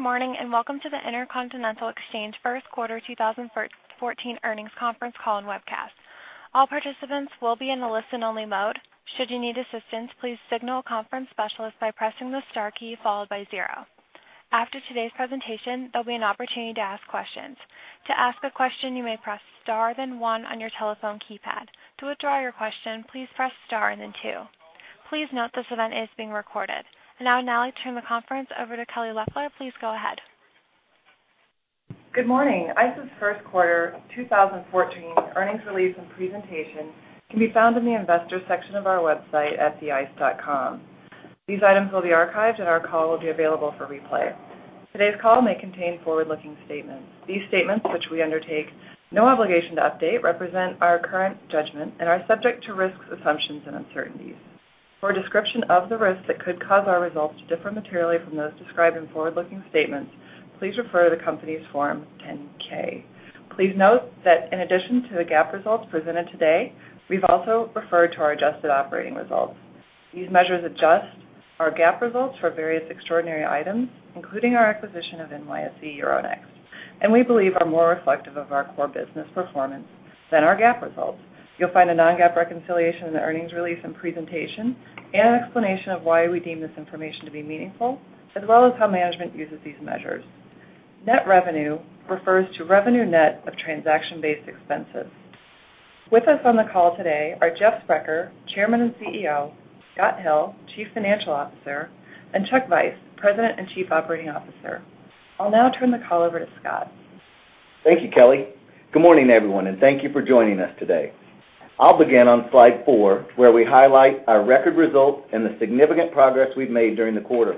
Good morning, welcome to the Intercontinental Exchange first quarter 2014 earnings conference call and webcast. All participants will be in the listen-only mode. Should you need assistance, please signal a conference specialist by pressing the star key followed by zero. After today's presentation, there'll be an opportunity to ask questions. To ask a question, you may press star then one on your telephone keypad. To withdraw your question, please press star and then two. Please note this event is being recorded. Now I'd now like to turn the conference over to Kelly Loeffler. Please go ahead. Good morning. ICE's first quarter 2014 earnings release and presentation can be found in the investors section of our website at theice.com. These items will be archived, and our call will be available for replay. Today's call may contain forward-looking statements. These statements, which we undertake no obligation to update, represent our current judgment and are subject to risks, assumptions, and uncertainties. For a description of the risks that could cause our results to differ materially from those described in forward-looking statements, please refer to the company's Form 10-K. Please note that in addition to the GAAP results presented today, we've also referred to our adjusted operating results. These measures adjust our GAAP results for various extraordinary items, including our acquisition of NYSE Euronext, and we believe are more reflective of our core business performance than our GAAP results. You'll find a non-GAAP reconciliation in the earnings release and presentation and an explanation of why we deem this information to be meaningful, as well as how management uses these measures. Net revenue refers to revenue net of transaction-based expenses. With us on the call today are Jeff Sprecher, Chairman and CEO, Scott Hill, Chief Financial Officer, and Chuck Vice, President and Chief Operating Officer. I'll now turn the call over to Scott. Thank you, Kelly. Good morning, everyone, thank you for joining us today. I'll begin on slide four, where we highlight our record results and the significant progress we've made during the quarter.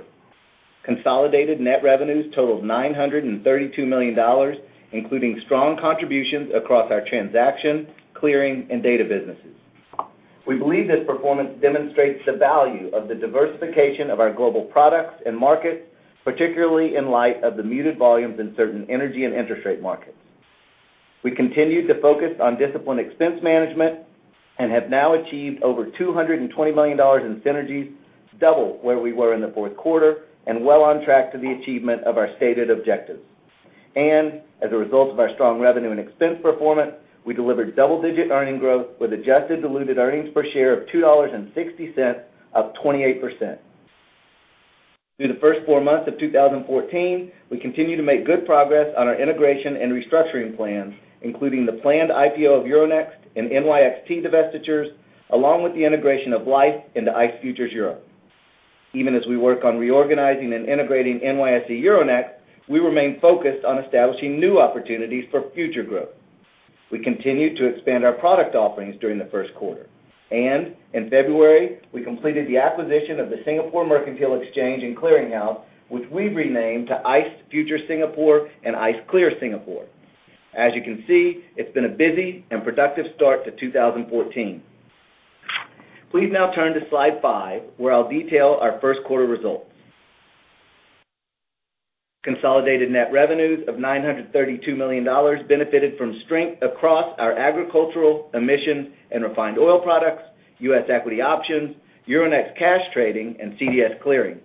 Consolidated net revenues totaled $932 million, including strong contributions across our transaction, clearing, and data businesses. We believe this performance demonstrates the value of the diversification of our global products and markets, particularly in light of the muted volumes in certain energy and interest rate markets. We continue to focus on disciplined expense management and have now achieved over $220 million in synergies, double where we were in the fourth quarter, and well on track to the achievement of our stated objectives. As a result of our strong revenue and expense performance, we delivered double-digit earnings growth with adjusted diluted earnings per share of $2.60, up 28%. Through the first four months of 2014, we continue to make good progress on our integration and restructuring plans, including the planned IPO of Euronext and NYXT divestitures, along with the integration of Liffe into ICE Futures Europe. Even as we work on reorganizing and integrating NYSE Euronext, we remain focused on establishing new opportunities for future growth. We continued to expand our product offerings during the first quarter. In February, we completed the acquisition of the Singapore Mercantile Exchange and Clearing House, which we have renamed to ICE Futures Singapore and ICE Clear Singapore. As you can see, it has been a busy and productive start to 2014. Please now turn to slide five, where I will detail our first quarter results. Consolidated net revenues of $932 million benefited from strength across our agricultural, emissions, and refined oil products, U.S. equity options, Euronext cash trading, and CDS clearing.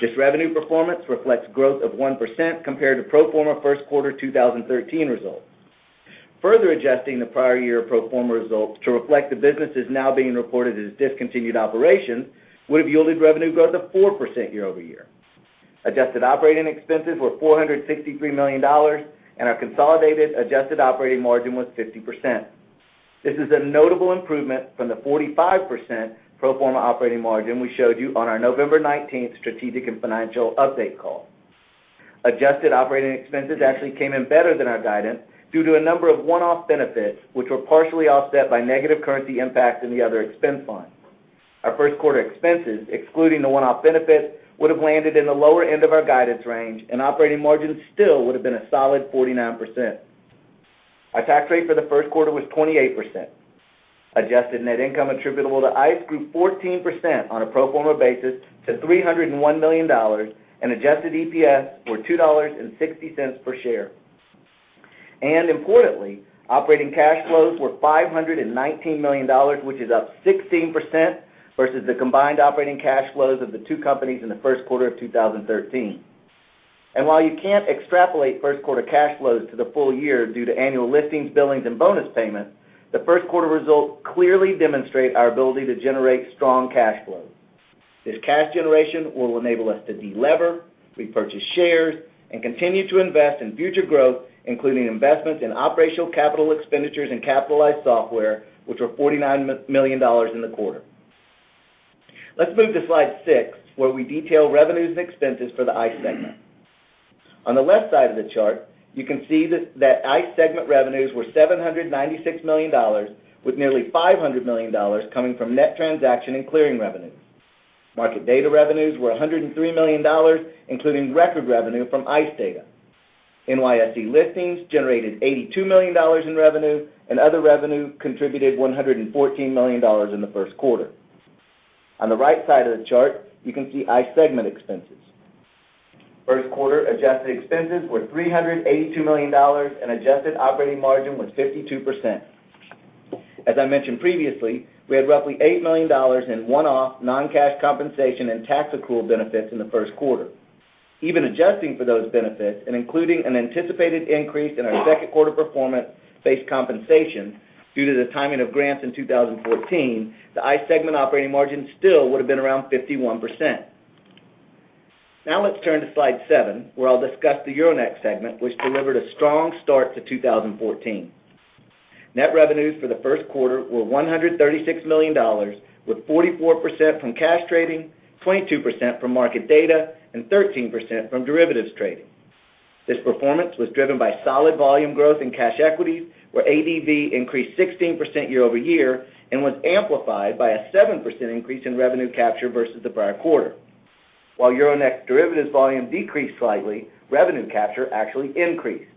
This revenue performance reflects growth of 1% compared to pro forma first quarter 2013 results. Further adjusting the prior year pro forma results to reflect the businesses now being reported as discontinued operations would have yielded revenue growth of 4% year-over-year. Adjusted operating expenses were $463 million, Our consolidated adjusted operating margin was 50%. This is a notable improvement from the 45% pro forma operating margin we showed you on our November 19th strategic and financial update call. Adjusted operating expenses actually came in better than our guidance due to a number of one-off benefits, which were partially offset by negative currency impacts in the other expense lines. Our first quarter expenses, excluding the one-off benefits, would have landed in the lower end of our guidance range, Operating margins still would have been a solid 49%. Our tax rate for the first quarter was 28%. Adjusted net income attributable to ICE grew 14% on a pro forma basis to $301 million, Adjusted EPS were $2.60 per share. Importantly, operating cash flows were $519 million, which is up 16% versus the combined operating cash flows of the two companies in the first quarter of 2013. While you cannot extrapolate first quarter cash flows to the full year due to annual listings, billings, and bonus payments, the first quarter results clearly demonstrate our ability to generate strong cash flow. This cash generation will enable us to de-lever, repurchase shares, and continue to invest in future growth, including investments in operational capital expenditures and capitalized software, which were $49 million in the quarter. Let us move to slide six, where I will detail revenues and expenses for the ICE segment. On the left side of the chart, you can see that ICE segment revenues were $796 million, with nearly $500 million coming from net transaction and clearing revenues. Market data revenues were $103 million, including record revenue from ICE data. NYSE Listings generated $82 million in revenue, Other revenue contributed $114 million in the first quarter. On the right side of the chart, you can see ICE segment expenses. First quarter adjusted expenses were $382 million, Adjusted operating margin was 52%. As I mentioned previously, we had roughly $8 million in one-off non-cash compensation and tax accrual benefits in the first quarter. Even adjusting for those benefits and including an anticipated increase in our second quarter performance-based compensation due to the timing of grants in 2014, the ICE segment operating margin still would have been around 51%. Let's turn to slide seven, where I'll discuss the Euronext segment, which delivered a strong start to 2014. Net revenues for the first quarter were $136 million, with 44% from cash trading, 22% from market data, and 13% from derivatives trading. This performance was driven by solid volume growth in cash equities, where ADV increased 16% year-over-year and was amplified by a 7% increase in revenue capture versus the prior quarter. While Euronext derivatives volume decreased slightly, revenue capture actually increased.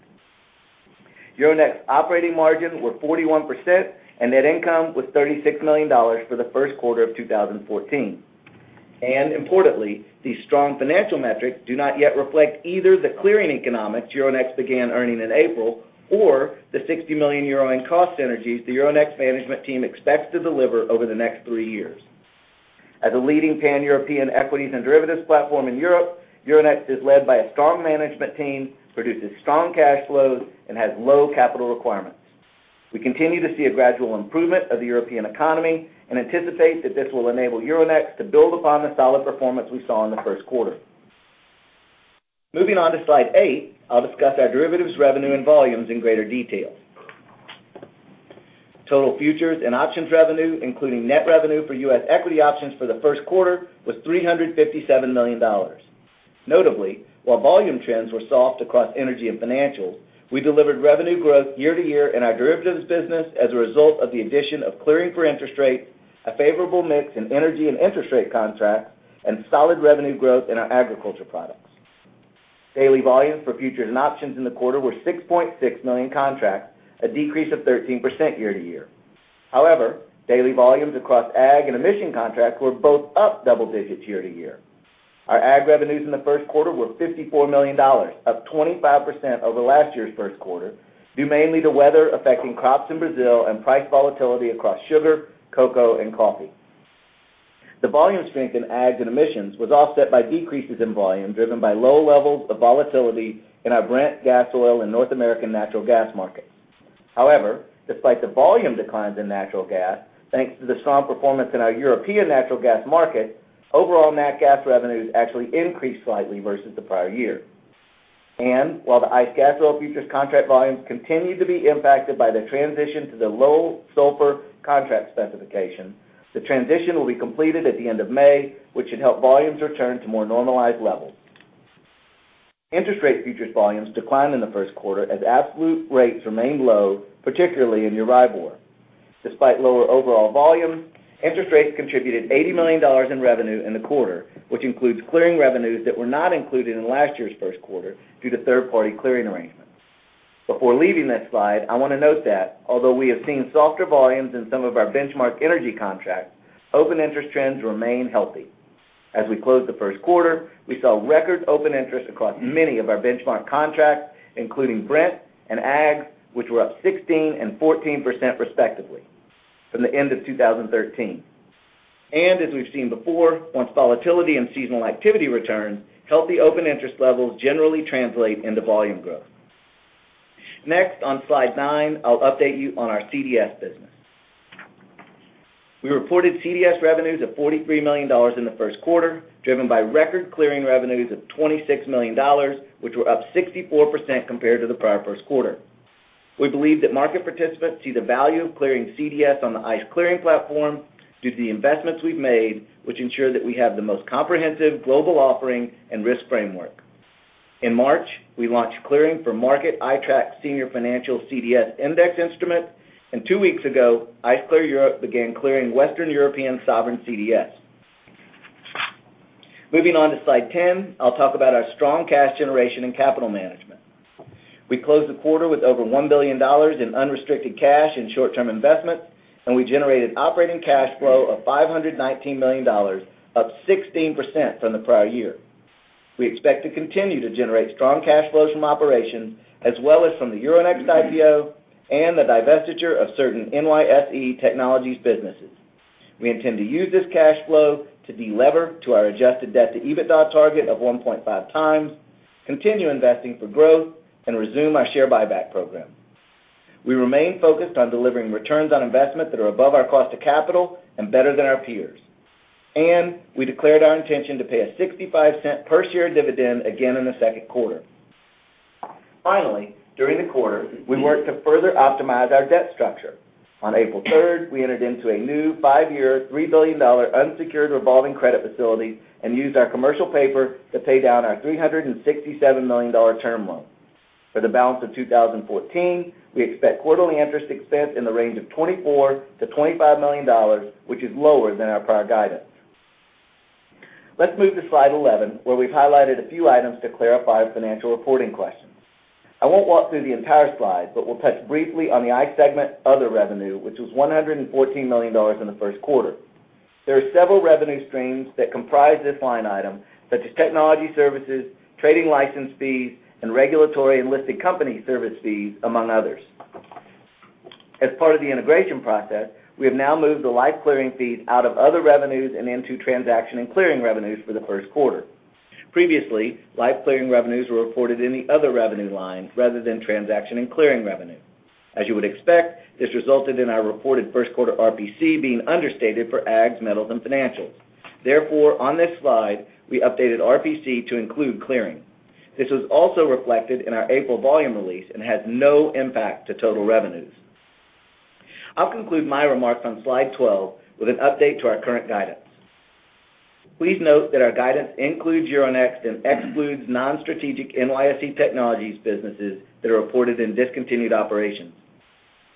Euronext operating margins were 41%, and net income was $36 million for the first quarter of 2014. Importantly, these strong financial metrics do not yet reflect either the clearing economics Euronext began earning in April or the 60 million euro in cost synergies the Euronext management team expects to deliver over the next three years. As a leading Pan-European equities and derivatives platform in Europe, Euronext is led by a strong management team, produces strong cash flows, and has low capital requirements. We continue to see a gradual improvement of the European economy and anticipate that this will enable Euronext to build upon the solid performance we saw in the first quarter. Moving on to slide eight, I'll discuss our derivatives revenue and volumes in greater detail. Total futures and options revenue, including net revenue for U.S. equity options for the first quarter, was $357 million. Notably, while volume trends were soft across energy and financials, we delivered revenue growth year-to-year in our derivatives business as a result of the addition of clearing for interest rate, a favorable mix in energy and interest rate contracts, and solid revenue growth in our agriculture products. Daily volumes for futures and options in the quarter were 6.6 million contracts, a decrease of 13% year-to-year. However, daily volumes across ag and emission contracts were both up double digits year-to-year. Our ag revenues in the first quarter were $54 million, up 25% over last year's first quarter, due mainly to weather affecting crops in Brazil and price volatility across sugar, cocoa, and coffee. The volume strength in ags and emissions was offset by decreases in volume, driven by low levels of volatility in our Brent, Gasoil, and North American natural gas markets. However, despite the volume declines in natural gas, thanks to the strong performance in our European natural gas market, overall nat gas revenues actually increased slightly versus the prior year. While the ICE Gasoil futures contract volumes continue to be impacted by the transition to the low sulfur contract specification, the transition will be completed at the end of May, which should help volumes return to more normalized levels. Interest rate futures volumes declined in the first quarter as absolute rates remained low, particularly in Euribor. Despite lower overall volumes, interest rates contributed $80 million in revenue in the quarter, which includes clearing revenues that were not included in last year's first quarter due to third-party clearing arrangements. Before leaving this slide, I want to note that although we have seen softer volumes in some of our benchmark energy contracts, open interest trends remain healthy. As we closed the first quarter, we saw record open interest across many of our benchmark contracts, including Brent and ags, which were up 16% and 14% respectively from the end of 2013. As we've seen before, once volatility and seasonal activity returns, healthy open interest levels generally translate into volume growth. Next, on slide nine, I'll update you on our CDS business. We reported CDS revenues of $43 million in the first quarter, driven by record clearing revenues of $26 million, which were up 64% compared to the prior first quarter. We believe that market participants see the value of clearing CDS on the ICE clearing platform due to the investments we've made, which ensure that we have the most comprehensive global offering and risk framework. In March, we launched clearing for Markit iTraxx Senior Financial CDS Index Instrument, and two weeks ago, ICE Clear Europe began clearing Western European Sovereign CDS. Moving on to slide ten, I'll talk about our strong cash generation and capital management. We closed the quarter with over $1 billion in unrestricted cash and short-term investments. We generated operating cash flow of $519 million, up 16% from the prior year. We expect to continue to generate strong cash flows from operations as well as from the Euronext IPO and the divestiture of certain NYSE Technologies businesses. We intend to use this cash flow to de-lever to our adjusted debt-to-EBITDA target of 1.5 times, continue investing for growth, and resume our share buyback program. We remain focused on delivering returns on investments that are above our cost of capital and better than our peers. We declared our intention to pay a $0.65 per share dividend again in the second quarter. Finally, during the quarter, we worked to further optimize our debt structure. On April 3rd, we entered into a new five-year, $3 billion unsecured revolving credit facility and used our commercial paper to pay down our $367 million term loan. For the balance of 2014, we expect quarterly interest expense in the range of $24 million to $25 million, which is lower than our prior guidance. Let's move to slide eleven, where we've highlighted a few items to clarify financial reporting questions. I won't walk through the entire slide, but we'll touch briefly on the ICE segment other revenue, which was $114 million in the first quarter. There are several revenue streams that comprise this line item, such as technology services, trading license fees, and regulatory and listed company service fees, among others. As part of the integration process, we have now moved the Liffe clearing fees out of other revenues and into transaction and clearing revenues for the first quarter. Previously, Liffe clearing revenues were reported in the other revenue lines rather than transaction and clearing revenue. As you would expect, this resulted in our reported first quarter RPC being understated for ags, metals, and financials. Therefore, on this slide, we updated RPC to include clearing. This was also reflected in our April volume release and has no impact to total revenues. I'll conclude my remarks on slide twelve with an update to our current guidance. Please note that our guidance includes Euronext and excludes non-strategic NYSE Technologies businesses that are reported in discontinued operations.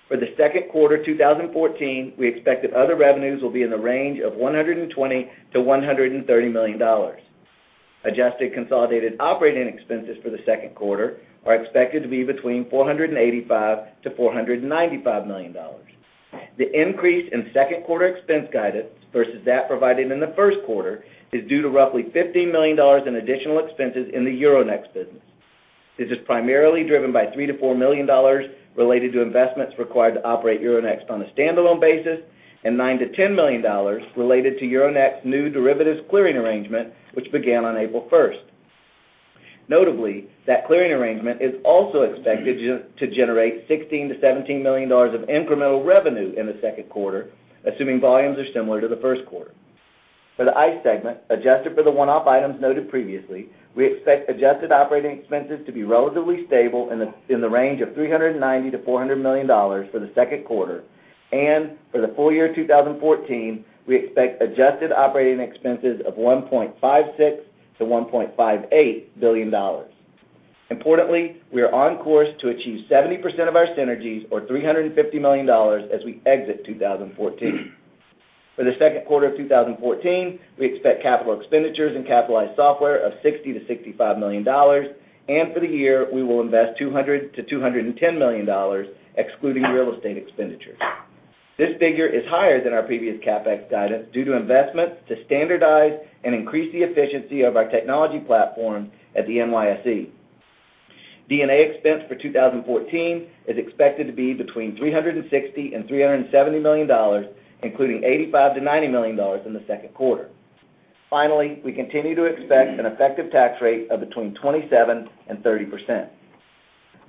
For the second quarter 2014, we expect that other revenues will be in the range of $120 million to $130 million. Adjusted consolidated operating expenses for the second quarter are expected to be between $485 million to $495 million. The increase in second quarter expense guidance versus that provided in the first quarter is due to roughly $15 million in additional expenses in the Euronext business. This is primarily driven by $3 million-$4 million related to investments required to operate Euronext on a standalone basis and $9 million-$10 million related to Euronext's new derivatives clearing arrangement, which began on April 1st. Notably, that clearing arrangement is also expected to generate $16 million-$17 million of incremental revenue in the second quarter, assuming volumes are similar to the first quarter. For the ICE segment, adjusted for the one-off items noted previously, we expect adjusted operating expenses to be relatively stable in the range of $390 million-$400 million for the second quarter, and for the full year 2014, we expect adjusted operating expenses of $1.56 billion-$1.58 billion. We are on course to achieve 70% of our synergies or $350 million as we exit 2014. For the second quarter of 2014, we expect capital expenditures and capitalized software of $60 million-$65 million, and for the year, we will invest $200 million-$210 million excluding real estate expenditures. This figure is higher than our previous CapEx guidance due to investments to standardize and increase the efficiency of our technology platform at the NYSE. D&A expense for 2014 is expected to be between $360 million and $370 million, including $85 million-$90 million in the second quarter. We continue to expect an effective tax rate of between 27% and 30%.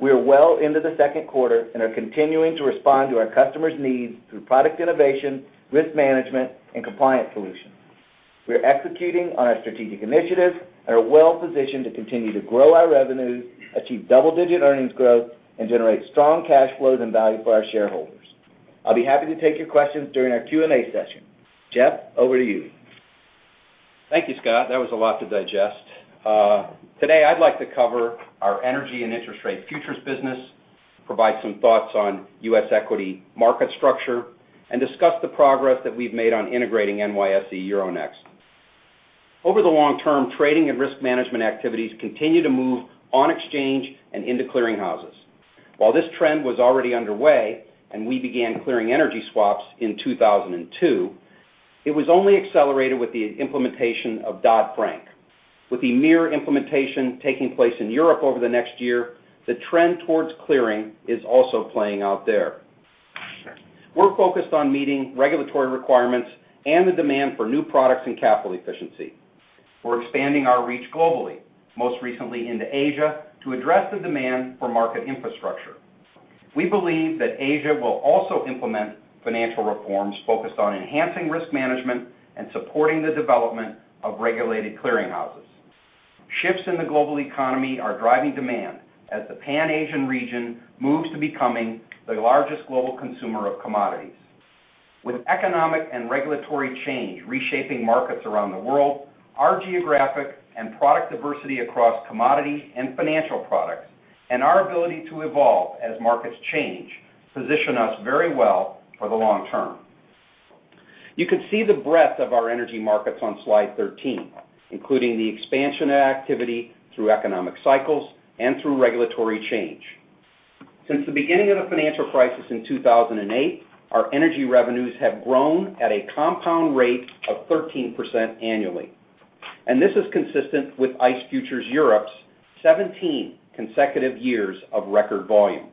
We are well into the second quarter and are continuing to respond to our customers' needs through product innovation, risk management, and compliance solutions. We are executing on our strategic initiatives and are well-positioned to continue to grow our revenues, achieve double-digit earnings growth, and generate strong cash flows and value for our shareholders. I'll be happy to take your questions during our Q&A session. Jeff, over to you. Thank you, Scott. That was a lot to digest. I'd like to cover our energy and interest rate futures business, provide some thoughts on U.S. equity market structure, and discuss the progress that we've made on integrating NYSE Euronext. Over the long term, trading and risk management activities continue to move on exchange and into clearing houses. While this trend was already underway and we began clearing energy swaps in 2002, it was only accelerated with the implementation of Dodd-Frank. With the mirror implementation taking place in Europe over the next year, the trend towards clearing is also playing out there. We're focused on meeting regulatory requirements and the demand for new products and capital efficiency. We're expanding our reach globally, most recently into Asia, to address the demand for market infrastructure. We believe that Asia will also implement financial reforms focused on enhancing risk management and supporting the development of regulated clearing houses. Shifts in the global economy are driving demand as the Pan Asian region moves to becoming the largest global consumer of commodities. With economic and regulatory change reshaping markets around the world, our geographic and product diversity across commodity and financial products, and our ability to evolve as markets change, position us very well for the long term. You can see the breadth of our energy markets on slide 13, including the expansion of activity through economic cycles and through regulatory change. Since the beginning of the financial crisis in 2008, our energy revenues have grown at a compound rate of 13% annually, and this is consistent with ICE Futures Europe's 17 consecutive years of record volume.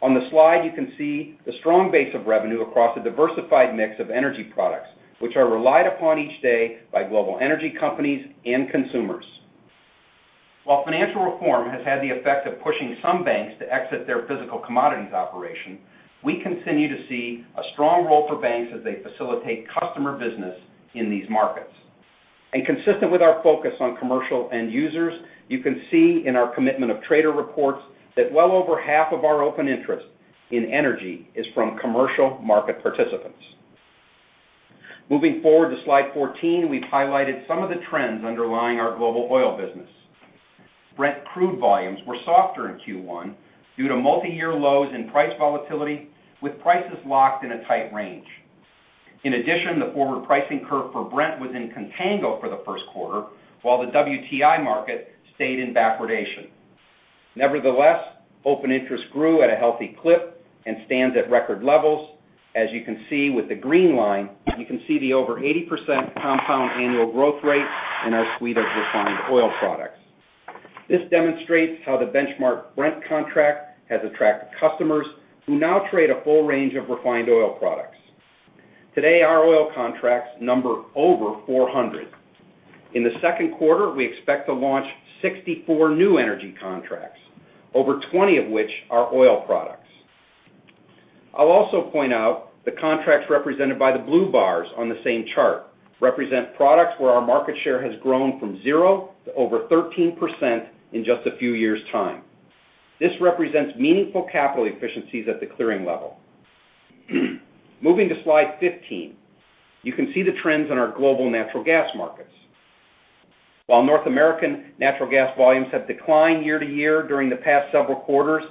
On the slide, you can see the strong base of revenue across a diversified mix of energy products, which are relied upon each day by global energy companies and consumers. While financial reform has had the effect of pushing some banks to exit their physical commodities operation, we continue to see a strong role for banks as they facilitate customer business in these markets. Consistent with our focus on commercial end users, you can see in our commitment of trader reports that well over half of our open interest in energy is from commercial market participants. Moving forward to slide 14, we've highlighted some of the trends underlying our global oil business. Brent crude volumes were softer in Q1 due to multi-year lows in price volatility, with prices locked in a tight range. In addition, the forward pricing curve for Brent was in contango for the first quarter, while the WTI market stayed in backwardation. Nevertheless, open interest grew at a healthy clip and stands at record levels. As you can see with the green line, you can see the over 80% compound annual growth rate in our suite of refined oil products. This demonstrates how the benchmark Brent contract has attracted customers who now trade a full range of refined oil products. Today, our oil contracts number over 400. In the second quarter, we expect to launch 64 new energy contracts, over 20 of which are oil products. I'll also point out the contracts represented by the blue bars on the same chart represent products where our market share has grown from zero to over 13% in just a few years' time. This represents meaningful capital efficiencies at the clearing level. Moving to slide 15, you can see the trends in our global natural gas markets. While North American natural gas volumes have declined year to year during the past several quarters,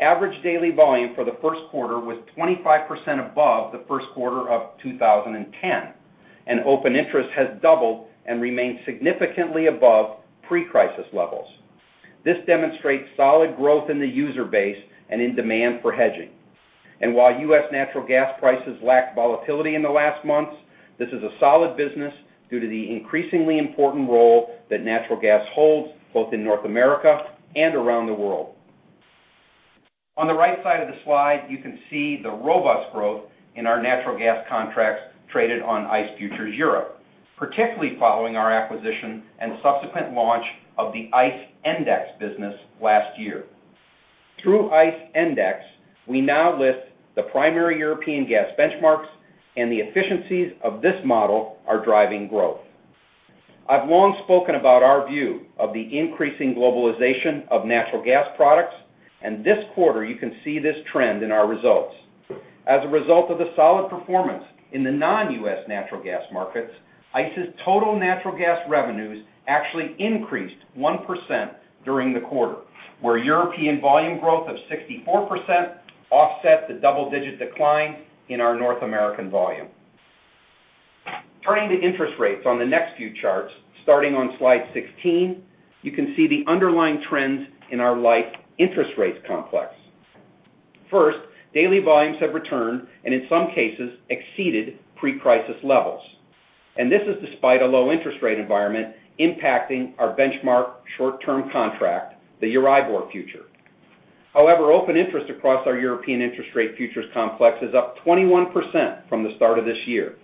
average daily volume for the first quarter was 25% above the first quarter of 2010, and open interest has doubled and remains significantly above pre-crisis levels. This demonstrates solid growth in the user base and in demand for hedging. While U.S. natural gas prices lacked volatility in the last months, this is a solid business due to the increasingly important role that natural gas holds both in North America and around the world. On the right side of the slide, you can see the robust growth in our natural gas contracts traded on ICE Futures Europe, particularly following our acquisition and subsequent launch of the ICE Endex business last year. Through ICE Endex, we now list the primary European gas benchmarks. The efficiencies of this model are driving growth. I've long spoken about our view of the increasing globalization of natural gas products. This quarter you can see this trend in our results. As a result of the solid performance in the non-U.S. natural gas markets, ICE's total natural gas revenues actually increased 1% during the quarter, where European volume growth of 64% offset the double-digit decline in our North American volume. Turning to interest rates on the next few charts, starting on slide 16, you can see the underlying trends in our Liffe Interest Rates complex. First, daily volumes have returned, and in some cases, exceeded pre-crisis levels. This is despite a low interest rate environment impacting our benchmark short-term contract, the Euribor future. However, open interest across our European interest rate futures complex is up 21% from the start of this year.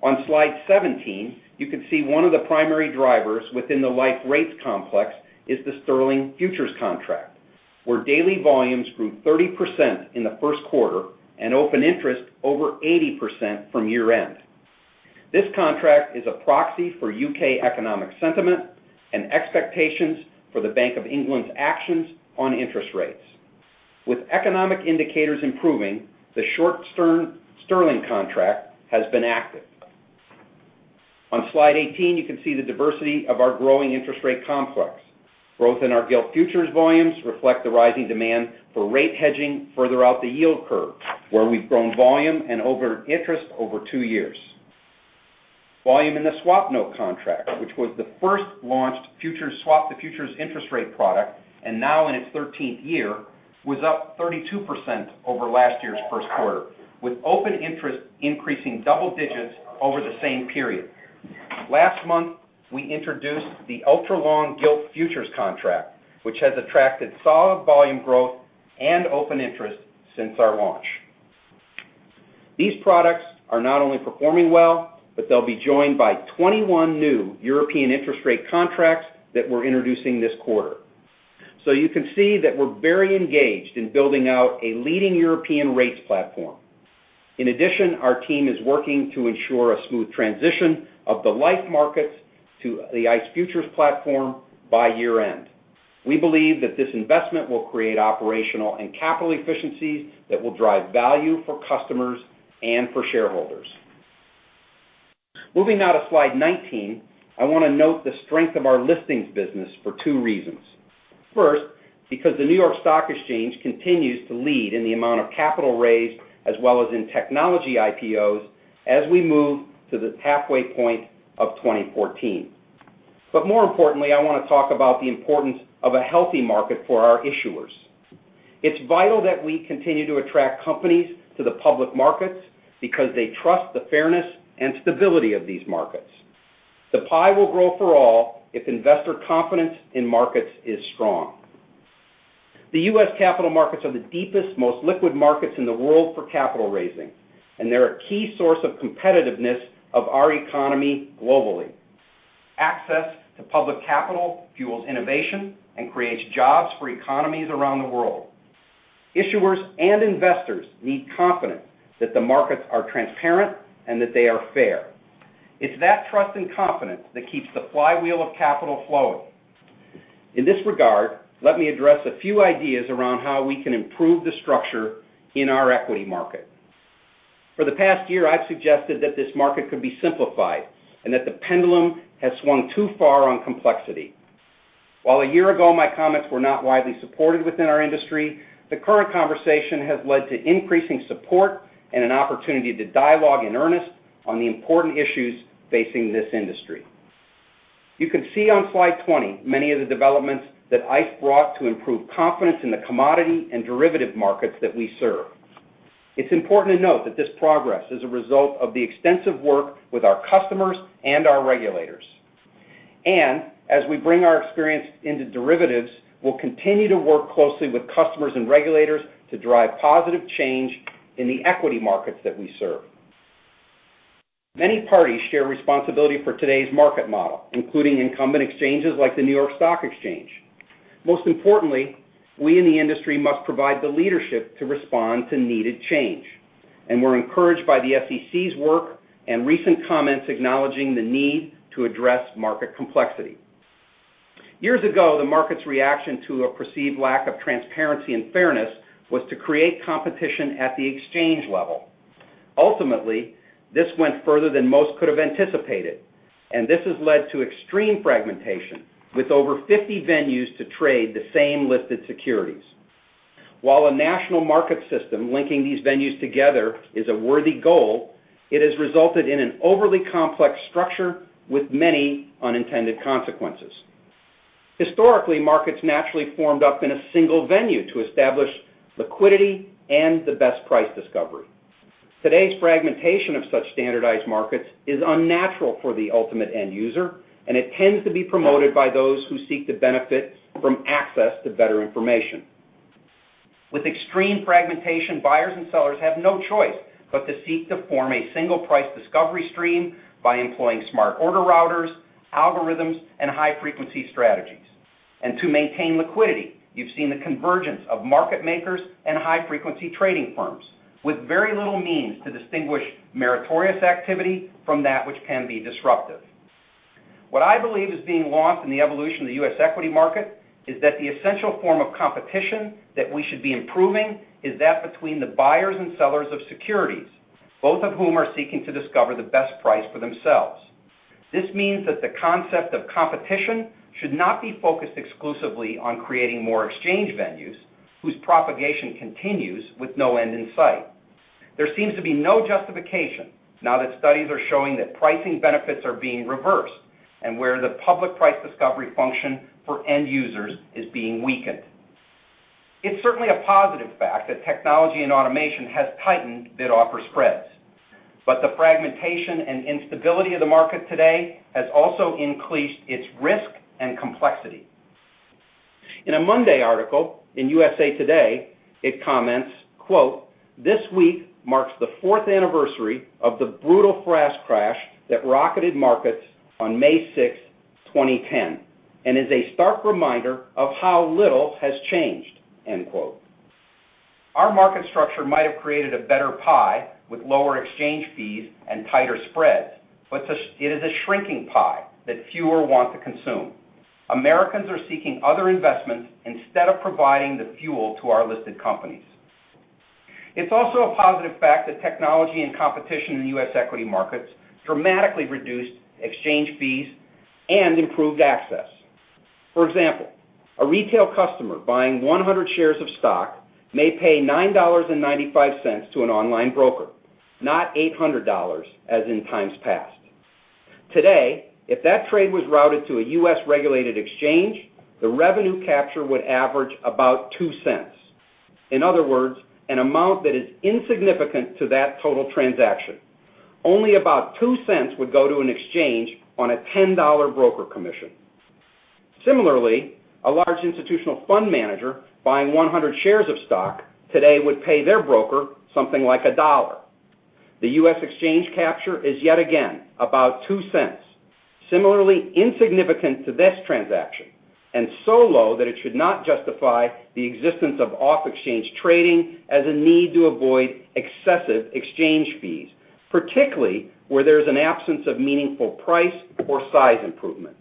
On slide 17, you can see one of the primary drivers within the Liffe Rates complex is the Sterling Futures Contract, where daily volumes grew 30% in the first quarter and open interest over 80% from year-end. This contract is a proxy for U.K. economic sentiment and expectations for the Bank of England's actions on interest rates. With economic indicators improving, the Short Sterling contract has been active. On slide 18, you can see the diversity of our growing interest rate complex. Growth in our Gilt Futures volumes reflect the rising demand for rate hedging further out the yield curve, where we've grown volume and over interest over two years. Volume in the Swapnote contract, which was the first launched future swap to futures interest rate product, and now in its 13th year, was up 32% over last year's first quarter, with open interest increasing double digits over the same period. Last month, we introduced the Ultra Long Gilt Futures contract, which has attracted solid volume growth and open interest since our launch. These products are not only performing well, but they'll be joined by 21 new European interest rate contracts that we're introducing this quarter. You can see that we're very engaged in building out a leading European rates platform. In addition, our team is working to ensure a smooth transition of the Liffe markets to the ICE Futures platform by year-end. We believe that this investment will create operational and capital efficiencies that will drive value for customers and for shareholders. Moving now to slide 19, I want to note the strength of our listings business for two reasons. First, because the New York Stock Exchange continues to lead in the amount of capital raised, as well as in technology IPOs as we move to the halfway point of 2014. More importantly, I want to talk about the importance of a healthy market for our issuers. It's vital that we continue to attract companies to the public markets because they trust the fairness and stability of these markets. The pie will grow for all if investor confidence in markets is strong. The U.S. capital markets are the deepest, most liquid markets in the world for capital raising. They're a key source of competitiveness of our economy globally. Access to public capital fuels innovation and creates jobs for economies around the world. Issuers and investors need confidence that the markets are transparent and that they are fair. It's that trust and confidence that keeps the flywheel of capital flowing. In this regard, let me address a few ideas around how we can improve the structure in our equity market. For the past year, I've suggested that this market could be simplified and that the pendulum has swung too far on complexity. A year ago my comments were not widely supported within our industry, the current conversation has led to increasing support and an opportunity to dialogue in earnest on the important issues facing this industry. You can see on slide 20 many of the developments that ICE brought to improve confidence in the commodity and derivative markets that we serve. It's important to note that this progress is a result of the extensive work with our customers and our regulators. As we bring our experience into derivatives, we'll continue to work closely with customers and regulators to drive positive change in the equity markets that we serve. Many parties share responsibility for today's market model, including incumbent exchanges like the New York Stock Exchange. Most importantly, we in the industry must provide the leadership to respond to needed change, we're encouraged by the SEC's work and recent comments acknowledging the need to address market complexity. Years ago, the market's reaction to a perceived lack of transparency and fairness was to create competition at the exchange level. This went further than most could have anticipated, this has led to extreme fragmentation, with over 50 venues to trade the same listed securities. A national market system linking these venues together is a worthy goal, it has resulted in an overly complex structure with many unintended consequences. Historically, markets naturally formed up in a single venue to establish liquidity and the best price discovery. Today's fragmentation of such standardized markets is unnatural for the ultimate end user, it tends to be promoted by those who seek to benefit from access to better information. With extreme fragmentation, buyers and sellers have no choice but to seek to form a single price discovery stream by employing smart order routers, algorithms, and high-frequency strategies. To maintain liquidity, you've seen the convergence of market makers and high-frequency trading firms with very little means to distinguish meritorious activity from that which can be disruptive. What I believe is being lost in the evolution of the U.S. equity market is that the essential form of competition that we should be improving is that between the buyers and sellers of securities, both of whom are seeking to discover the best price for themselves. This means that the concept of competition should not be focused exclusively on creating more exchange venues whose propagation continues with no end in sight. There seems to be no justification now that studies are showing that pricing benefits are being reversed and where the public price discovery function for end users is being weakened. It's certainly a positive fact that technology and automation has tightened bid-offer spreads. The fragmentation and instability of the market today has also increased its risk and complexity. In a Monday article in USA Today, it comments, quote, "This week marks the fourth anniversary of the brutal flash crash that rocketed markets on May 6, 2010 and is a stark reminder of how little has changed." End quote. Our market structure might have created a better pie with lower exchange fees and tighter spreads, but it is a shrinking pie that fewer want to consume. Americans are seeking other investments instead of providing the fuel to our listed companies. It's also a positive fact that technology and competition in the U.S. equity markets dramatically reduced exchange fees and improved access. For example, a retail customer buying 100 shares of stock may pay $9.95 to an online broker, not $800 as in times past. Today, if that trade was routed to a U.S. regulated exchange, the revenue capture would average about $0.02. In other words, an amount that is insignificant to that total transaction. Only about $0.02 would go to an exchange on a $10 broker commission. Similarly, a large institutional fund manager buying 100 shares of stock today would pay their broker something like $1. The U.S. exchange capture is yet again about $0.02. Similarly insignificant to this transaction, and so low that it should not justify the existence of off-exchange trading as a need to avoid excessive exchange fees, particularly where there's an absence of meaningful price or size improvement.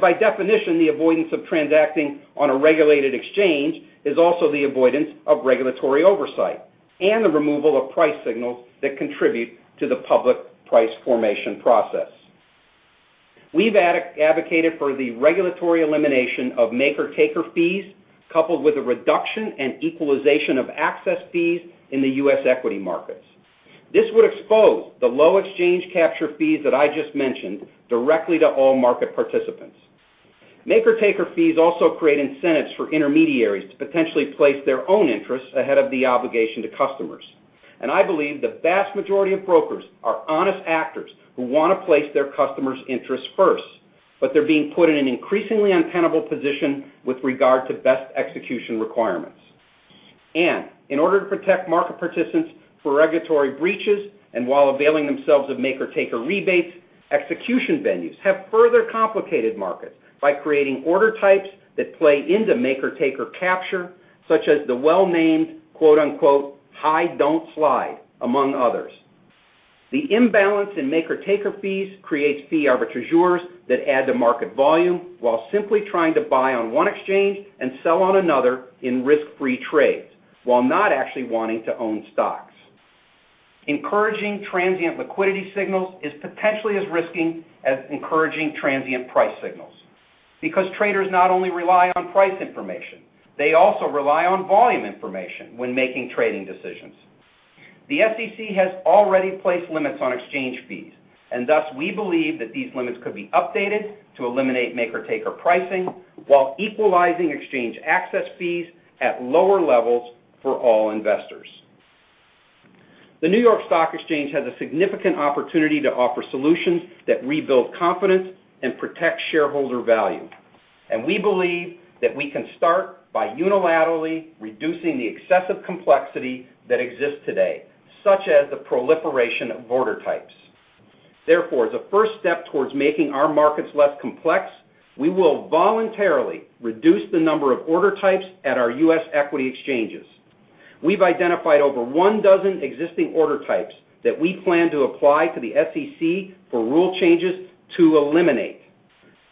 By definition, the avoidance of transacting on a regulated exchange is also the avoidance of regulatory oversight and the removal of price signals that contribute to the public price formation process. We've advocated for the regulatory elimination of maker-taker fees, coupled with a reduction and equalization of access fees in the U.S. equity markets. This would expose the low exchange capture fees that I just mentioned directly to all market participants. maker-taker fees also create incentives for intermediaries to potentially place their own interests ahead of the obligation to customers. I believe the vast majority of brokers are honest actors who want to place their customers' interests first, but they're being put in an increasingly untenable position with regard to best execution requirements. In order to protect market participants for regulatory breaches and while availing themselves of maker-taker rebates, execution venues have further complicated markets by creating order types that play into maker-taker capture, such as the well-named, quote, unquote, "Hide Not Slide," among others. The imbalance in maker-taker fees creates fee arbitrageurs that add to market volume while simply trying to buy on one exchange and sell on another in risk-free trades, while not actually wanting to own stocks. Encouraging transient liquidity signals is potentially as risky as encouraging transient price signals because traders not only rely on price information, they also rely on volume information when making trading decisions. The SEC has already placed limits on exchange fees, we believe that these limits could be updated to eliminate maker-taker pricing while equalizing exchange access fees at lower levels for all investors. The New York Stock Exchange has a significant opportunity to offer solutions that rebuild confidence and protect shareholder value, we believe that we can start by unilaterally reducing the excessive complexity that exists today, such as the proliferation of order types. As a first step towards making our markets less complex, we will voluntarily reduce the number of order types at our U.S. equity exchanges. We've identified over 1 dozen existing order types that we plan to apply to the SEC for rule changes to eliminate.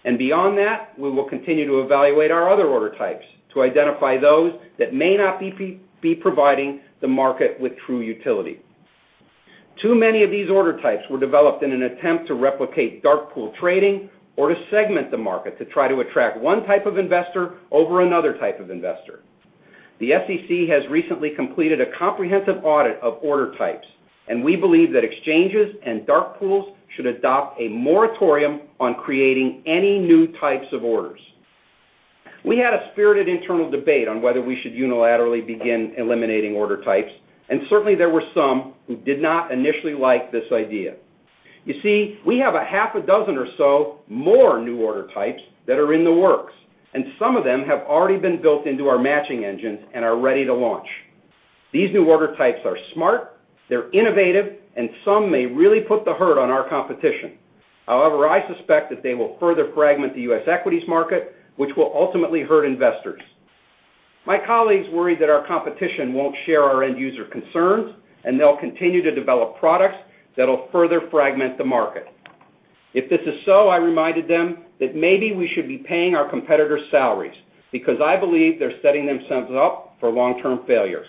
Beyond that, we will continue to evaluate our other order types to identify those that may not be providing the market with true utility. Too many of these order types were developed in an attempt to replicate dark pool trading or to segment the market to try to attract one type of investor over another type of investor. The SEC has recently completed a comprehensive audit of order types, and we believe that exchanges and dark pools should adopt a moratorium on creating any new types of orders. We had a spirited internal debate on whether we should unilaterally begin eliminating order types. Certainly, there were some who did not initially like this idea. You see, we have a half a dozen or so more new order types that are in the works, and some of them have already been built into our matching engines and are ready to launch. These new order types are smart, they're innovative, and some may really put the hurt on our competition. However, I suspect that they will further fragment the U.S. equities market, which will ultimately hurt investors. My colleagues worry that our competition won't share our end user concerns. They'll continue to develop products that'll further fragment the market. If this is so, I reminded them that maybe we should be paying our competitors' salaries, because I believe they're setting themselves up for long-term failures.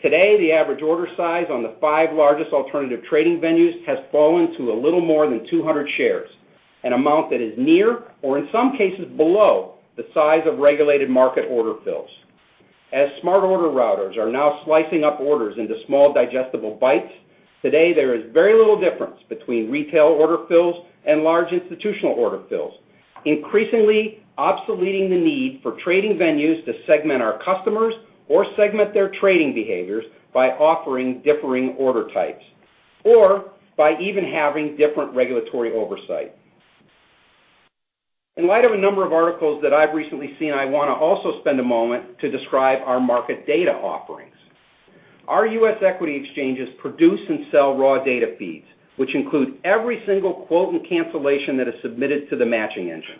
Today, the average order size on the five largest alternative trading venues has fallen to a little more than 200 shares, an amount that is near, or in some cases below, the size of regulated market order fills. As smart order routers are now slicing up orders into small digestible bites, today there is very little difference between retail order fills and large institutional order fills. Increasingly obsoleting the need for trading venues to segment our customers or segment their trading behaviors by offering differing order types, or by even having different regulatory oversight. In light of a number of articles that I've recently seen, I want to also spend a moment to describe our market data offerings. Our U.S. equity exchanges produce and sell raw data feeds, which include every single quote and cancellation that is submitted to the matching engine.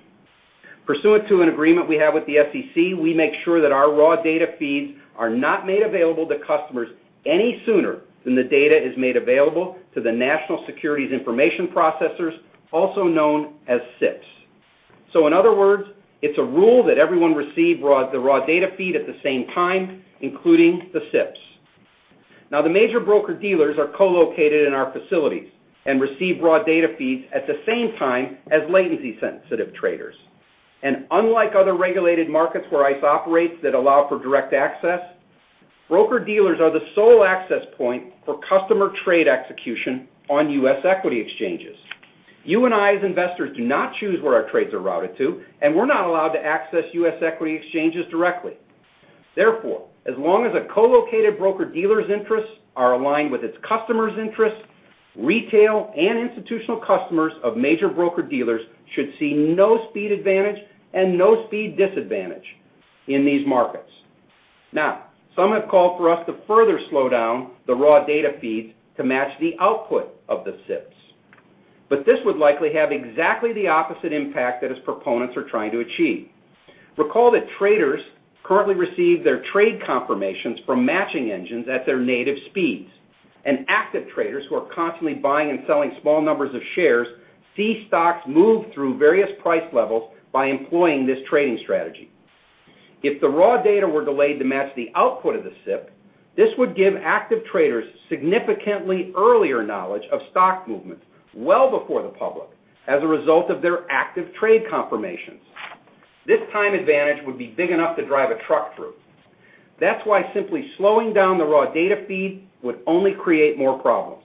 Pursuant to an agreement we have with the SEC, we make sure that our raw data feeds are not made available to customers any sooner than the data is made available to the National Securities Information Processors, also known as SIPs. In other words, it's a rule that everyone receive the raw data feed at the same time, including the SIPs. Now, the major broker-dealers are co-located in our facilities and receive raw data feeds at the same time as latency-sensitive traders. And unlike other regulated markets where ICE operates that allow for direct access, broker-dealers are the sole access point for customer trade execution on U.S. equity exchanges. You and I as investors do not choose where our trades are routed to, and we're not allowed to access U.S. equity exchanges directly. Therefore, as long as a co-located broker-dealer's interests are aligned with its customers' interests, retail and institutional customers of major broker-dealers should see no speed advantage and no speed disadvantage in these markets. This would likely have exactly the opposite impact that its proponents are trying to achieve. Recall that traders currently receive their trade confirmations from matching engines at their native speeds, and active traders who are constantly buying and selling small numbers of shares see stocks move through various price levels by employing this trading strategy. If the raw data were delayed to match the output of the SIPs, this would give active traders significantly earlier knowledge of stock movements well before the public as a result of their active trade confirmations. This time advantage would be big enough to drive a truck through. That's why simply slowing down the raw data feed would only create more problems.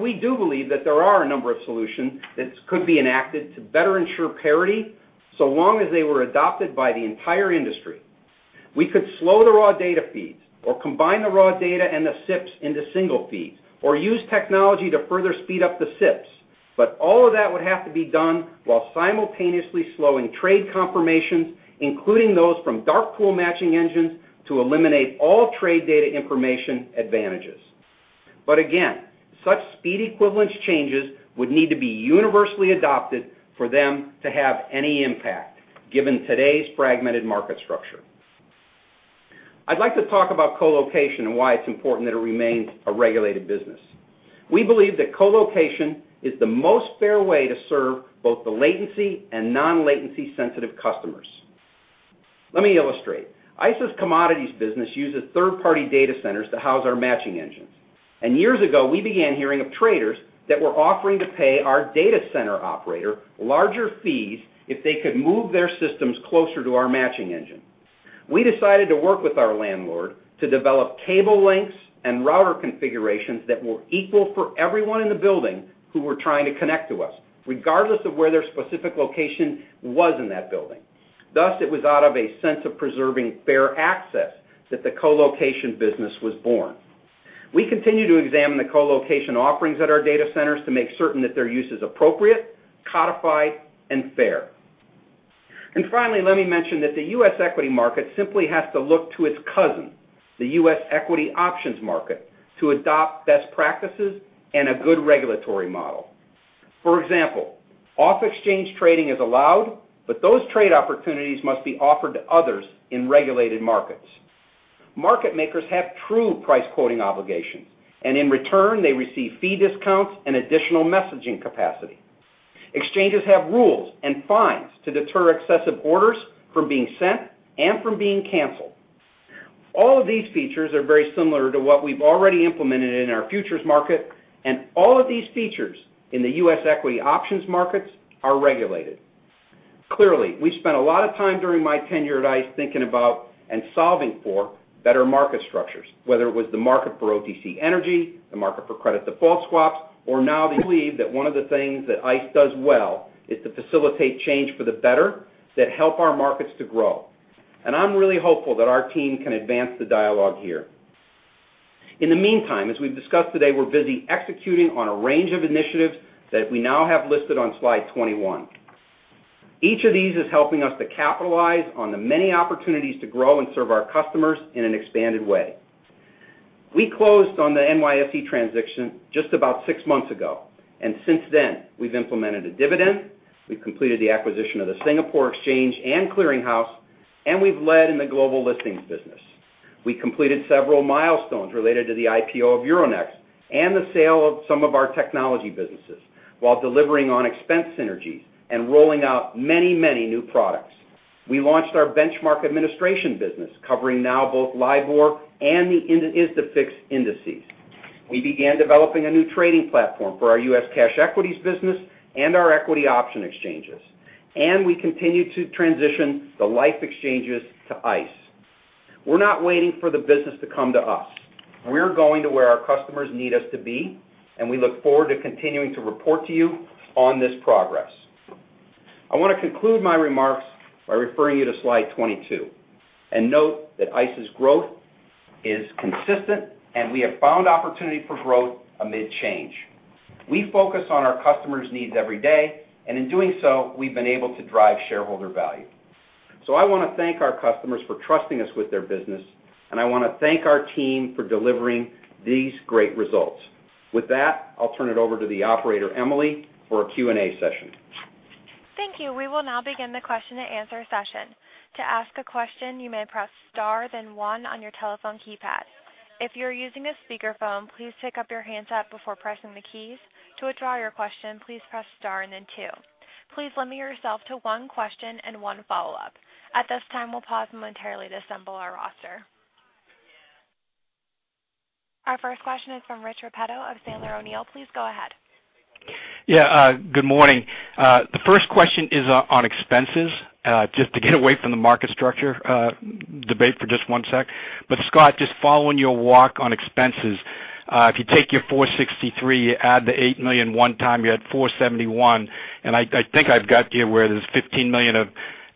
We do believe that there are a number of solutions that could be enacted to better ensure parity, so long as they were adopted by the entire industry. We could slow the raw data feeds or combine the raw data and the SIPs into single feeds, or use technology to further speed up the SIPs. All of that would have to be done while simultaneously slowing trade confirmations, including those from dark pool matching engines, to eliminate all trade data information advantages. Again, such speed equivalence changes would need to be universally adopted for them to have any impact, given today's fragmented market structure. I'd like to talk about co-location and why it's important that it remains a regulated business. We believe that co-location is the most fair way to serve both the latency and non-latency sensitive customers. Let me illustrate. ICE's commodities business uses third-party data centers to house our matching engines. Years ago, we began hearing of traders that were offering to pay our data center operator larger fees if they could move their systems closer to our matching engine. We decided to work with our landlord to develop cable lengths and router configurations that were equal for everyone in the building who were trying to connect to us, regardless of where their specific location was in that building. Thus, it was out of a sense of preserving fair access that the co-location business was born. We continue to examine the co-location offerings at our data centers to make certain that their use is appropriate, codified, and fair. Finally, let me mention that the U.S. equity market simply has to look to its cousin, the U.S. equity options market, to adopt best practices and a good regulatory model. For example, off-exchange trading is allowed, but those trade opportunities must be offered to others in regulated markets. Market makers have true price quoting obligations, and in return, they receive fee discounts and additional messaging capacity. Exchanges have rules and fines to deter excessive orders from being sent and from being canceled. All of these features are very similar to what we've already implemented in our futures market, and all of these features in the U.S. equity options markets are regulated. Clearly, we've spent a lot of time during my tenure at ICE thinking about and solving for better market structures, whether it was the market for OTC energy, the market for credit default swaps. One of the things that ICE does well is to facilitate change for the better that help our markets to grow. I'm really hopeful that our team can advance the dialogue here. In the meantime, as we've discussed today, we're busy executing on a range of initiatives that we now have listed on slide 21. Each of these is helping us to capitalize on the many opportunities to grow and serve our customers in an expanded way. We closed on the NYSE transition just about six months ago. Since then, we've implemented a dividend, we've completed the acquisition of the Singapore Exchange and Clearing House, and we've led in the global listings business. We completed several milestones related to the IPO of Euronext and the sale of some of our technology businesses while delivering on expense synergies and rolling out many new products. We launched our benchmark administration business, covering now both LIBOR and the ISDAfix indices. We began developing a new trading platform for our U.S. cash equities business and our equity option exchanges. We continue to transition the Liffe exchanges to ICE. We're not waiting for the business to come to us. We're going to where our customers need us to be, and we look forward to continuing to report to you on this progress. I want to conclude my remarks by referring you to slide 22 and note that ICE's growth is consistent. We have found opportunity for growth amid change. We focus on our customers' needs every day. In doing so, we've been able to drive shareholder value. I want to thank our customers for trusting us with their business. I want to thank our team for delivering these great results. With that, I'll turn it over to the operator, Emily, for a Q&A session. Thank you. We will now begin the question and answer session. To ask a question, you may press star, then one on your telephone keypad. If you're using a speakerphone, please pick up your handset before pressing the keys. To withdraw your question, please press star and then two. Please limit yourself to one question and one follow-up. At this time, we'll pause momentarily to assemble our roster. Our first question is from Rich Repetto of Sandler O'Neill. Please go ahead. Good morning. The first question is on expenses, just to get away from the market structure debate for just one sec. Scott, just following your walk on expenses, if you take your 463, add the $8 million one time, you're at 471. I think I've got you where there's $15 million of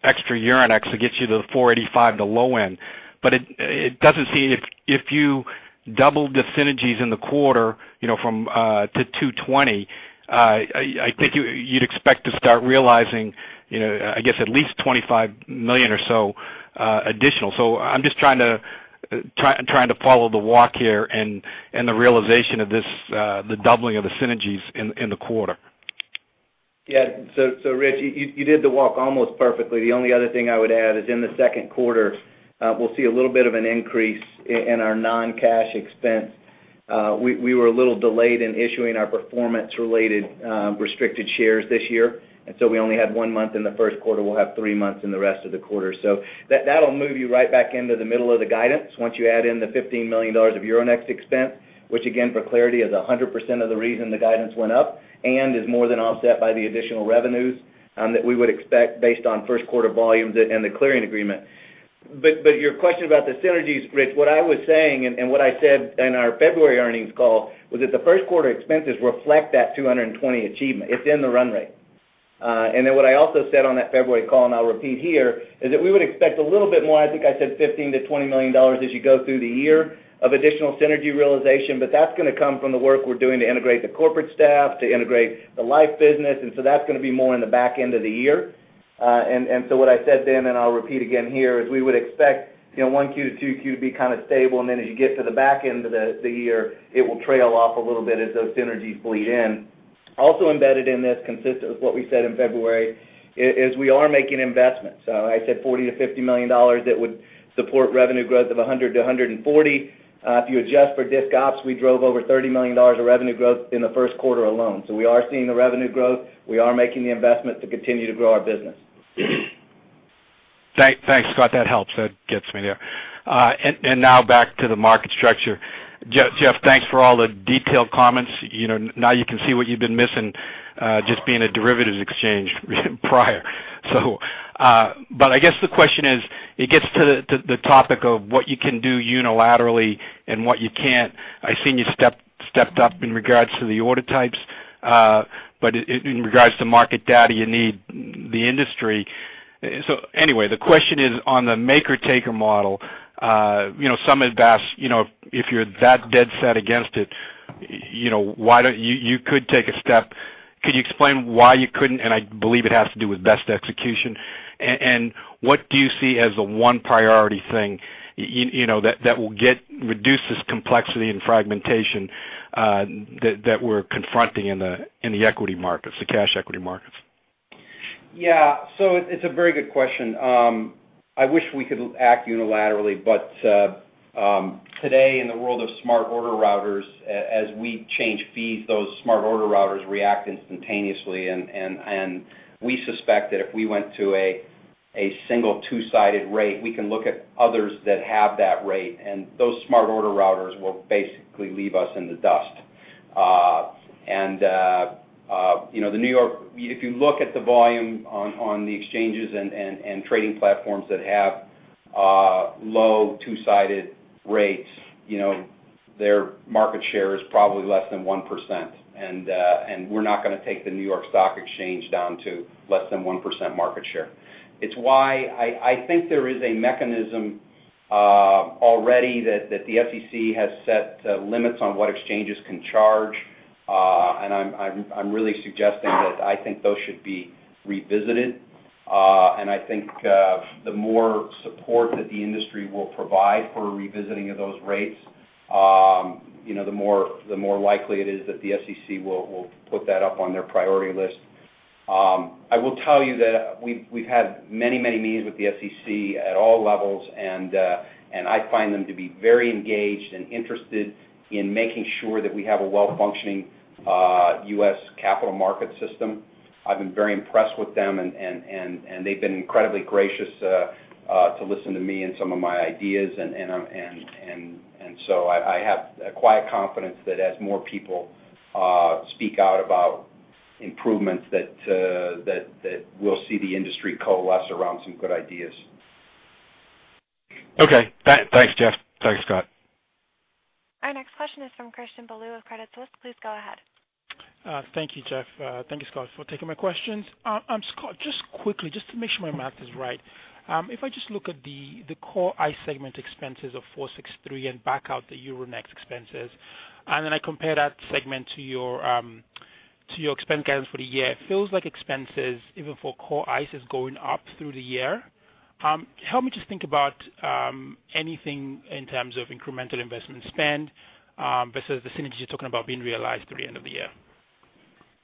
extra Euronext that gets you to the 485, the low end. It doesn't seem, if you doubled the synergies in the quarter, from to 220, I think you'd expect to start realizing, I guess, at least $25 million or so additional. I'm just trying to follow the walk here and the realization of the doubling of the synergies in the quarter. Rich, you did the walk almost perfectly. The only other thing I would add is in the second quarter, we'll see a little bit of an increase in our non-cash expense. We were a little delayed in issuing our performance-related restricted shares this year, and we only had one month in the first quarter. We'll have three months in the rest of the quarter. That'll move you right back into the middle of the guidance once you add in the $15 million of Euronext expense, which again, for clarity, is 100% of the reason the guidance went up and is more than offset by the additional revenues that we would expect based on first quarter volumes and the clearing agreement. Your question about the synergies, Rich, what I was saying and what I said in our February earnings call, was that the first quarter expenses reflect that 220 achievement. It's in the run rate. What I also said on that February call, and I'll repeat here, is that we would expect a little bit more, I think I said $15 million to $20 million as you go through the year of additional synergy realization, but that's going to come from the work we're doing to integrate the corporate staff, to integrate the Liffe business, and that's going to be more in the back end of the year. What I said then, and I'll repeat again here, is we would expect 1Q to 2Q to be kind of stable, and as you get to the back end of the year, it will trail off a little bit as those synergies bleed in. Also embedded in this, consistent with what we said in February, is we are making investments. I said $40 million to $50 million that would support revenue growth of 100 to 140. If you adjust for discontinued operations, we drove over $30 million of revenue growth in the first quarter alone. We are seeing the revenue growth. We are making the investment to continue to grow our business. Thanks, Scott. That helps. That gets me there. Now back to the market structure. Jeff, thanks for all the detailed comments. Now you can see what you've been missing just being a derivatives exchange prior. I guess the question is, it gets to the topic of what you can do unilaterally and what you can't. I've seen you stepped up in regards to the order types, but in regards to market data, you need the industry. The question is on the maker-taker model. Some have asked, if you're that dead set against it, you could take a step. Could you explain why you couldn't? I believe it has to do with best execution. What do you see as the one priority thing that will reduce this complexity and fragmentation that we're confronting in the equity markets, the cash equity markets? So it's a very good question. I wish we could act unilaterally, but today, in the world of smart order routers, as we change fees, those smart order routers react instantaneously. We suspect that if we went to a single two-sided rate, we can look at others that have that rate, and those smart order routers will basically leave us in the dust. If you look at the volume on the exchanges and trading platforms that have low two-sided rates, their market share is probably less than 1%. We're not going to take the New York Stock Exchange down to less than 1% market share. It's why I think there is a mechanism already that the SEC has set limits on what exchanges can charge. I'm really suggesting that I think those should be revisited. I think the more support that the industry will provide for a revisiting of those rates, the more likely it is that the SEC will put that up on their priority list. I will tell you that we've had many meetings with the SEC at all levels, and I find them to be very engaged and interested in making sure that we have a well-functioning U.S. capital market system. I've been very impressed with them, and they've been incredibly gracious to listen to me and some of my ideas. I have a quiet confidence that as more people speak out about improvements, that we'll see the industry coalesce around some good ideas. Thanks, Jeff. Thanks, Scott. Our next question is from Christian Bolu of Credit Suisse. Please go ahead. Thank you, Jeff. Thank you, Scott, for taking my questions. Scott, just quickly, just to make sure my math is right. If I just look at the core ICE segment expenses of $463 and back out the Euronext expenses, I compare that segment to your expense guidance for the year, it feels like expenses, even for core ICE, is going up through the year. Help me just think about anything in terms of incremental investment spend versus the synergies you're talking about being realized through the end of the year.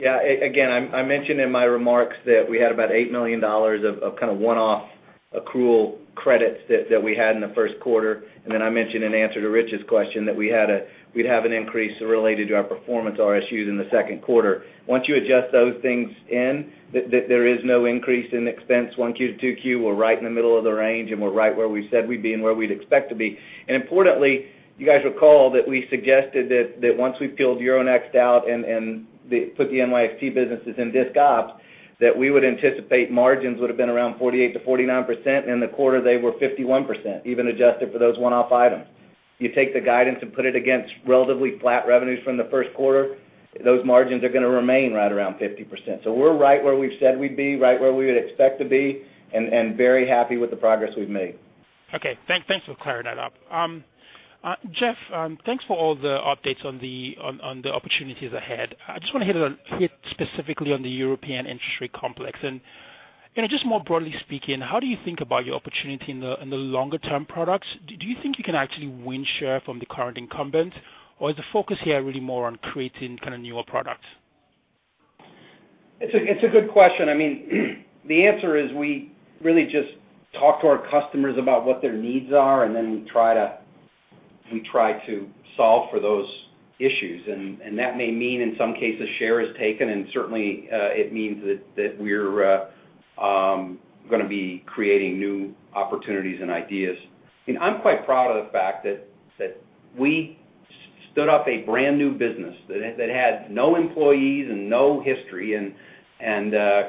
Again, I mentioned in my remarks that we had about $8 million of one-off accrual credits that we had in the first quarter. I mentioned in answer to Rich's question that we'd have an increase related to our performance RSUs in the second quarter. Once you adjust those things in, there is no increase in expense 1Q to 2Q. We're right in the middle of the range, we're right where we said we'd be and where we'd expect to be. Importantly, you guys recall that we suggested that once we peeled Euronext out and put the NYX businesses in discontinued operations, that we would anticipate margins would've been around 48%-49%. In the quarter, they were 51%, even adjusted for those one-off items. You take the guidance and put it against relatively flat revenues from the first quarter, those margins are going to remain right around 50%. We're right where we've said we'd be, right where we would expect to be, and very happy with the progress we've made. Okay. Thanks for clearing that up. Jeff, thanks for all the updates on the opportunities ahead. I just want to hit specifically on the European interest rate complex and just more broadly speaking, how do you think about your opportunity in the longer-term products? Do you think you can actually win share from the current incumbent, or is the focus here really more on creating newer products? It's a good question. The answer is we really just talk to our customers about what their needs are, then we try to solve for those issues. That may mean, in some cases, share is taken, and certainly, it means that we're going to be creating new opportunities and ideas. I'm quite proud of the fact that we stood up a brand-new business that had no employees and no history, and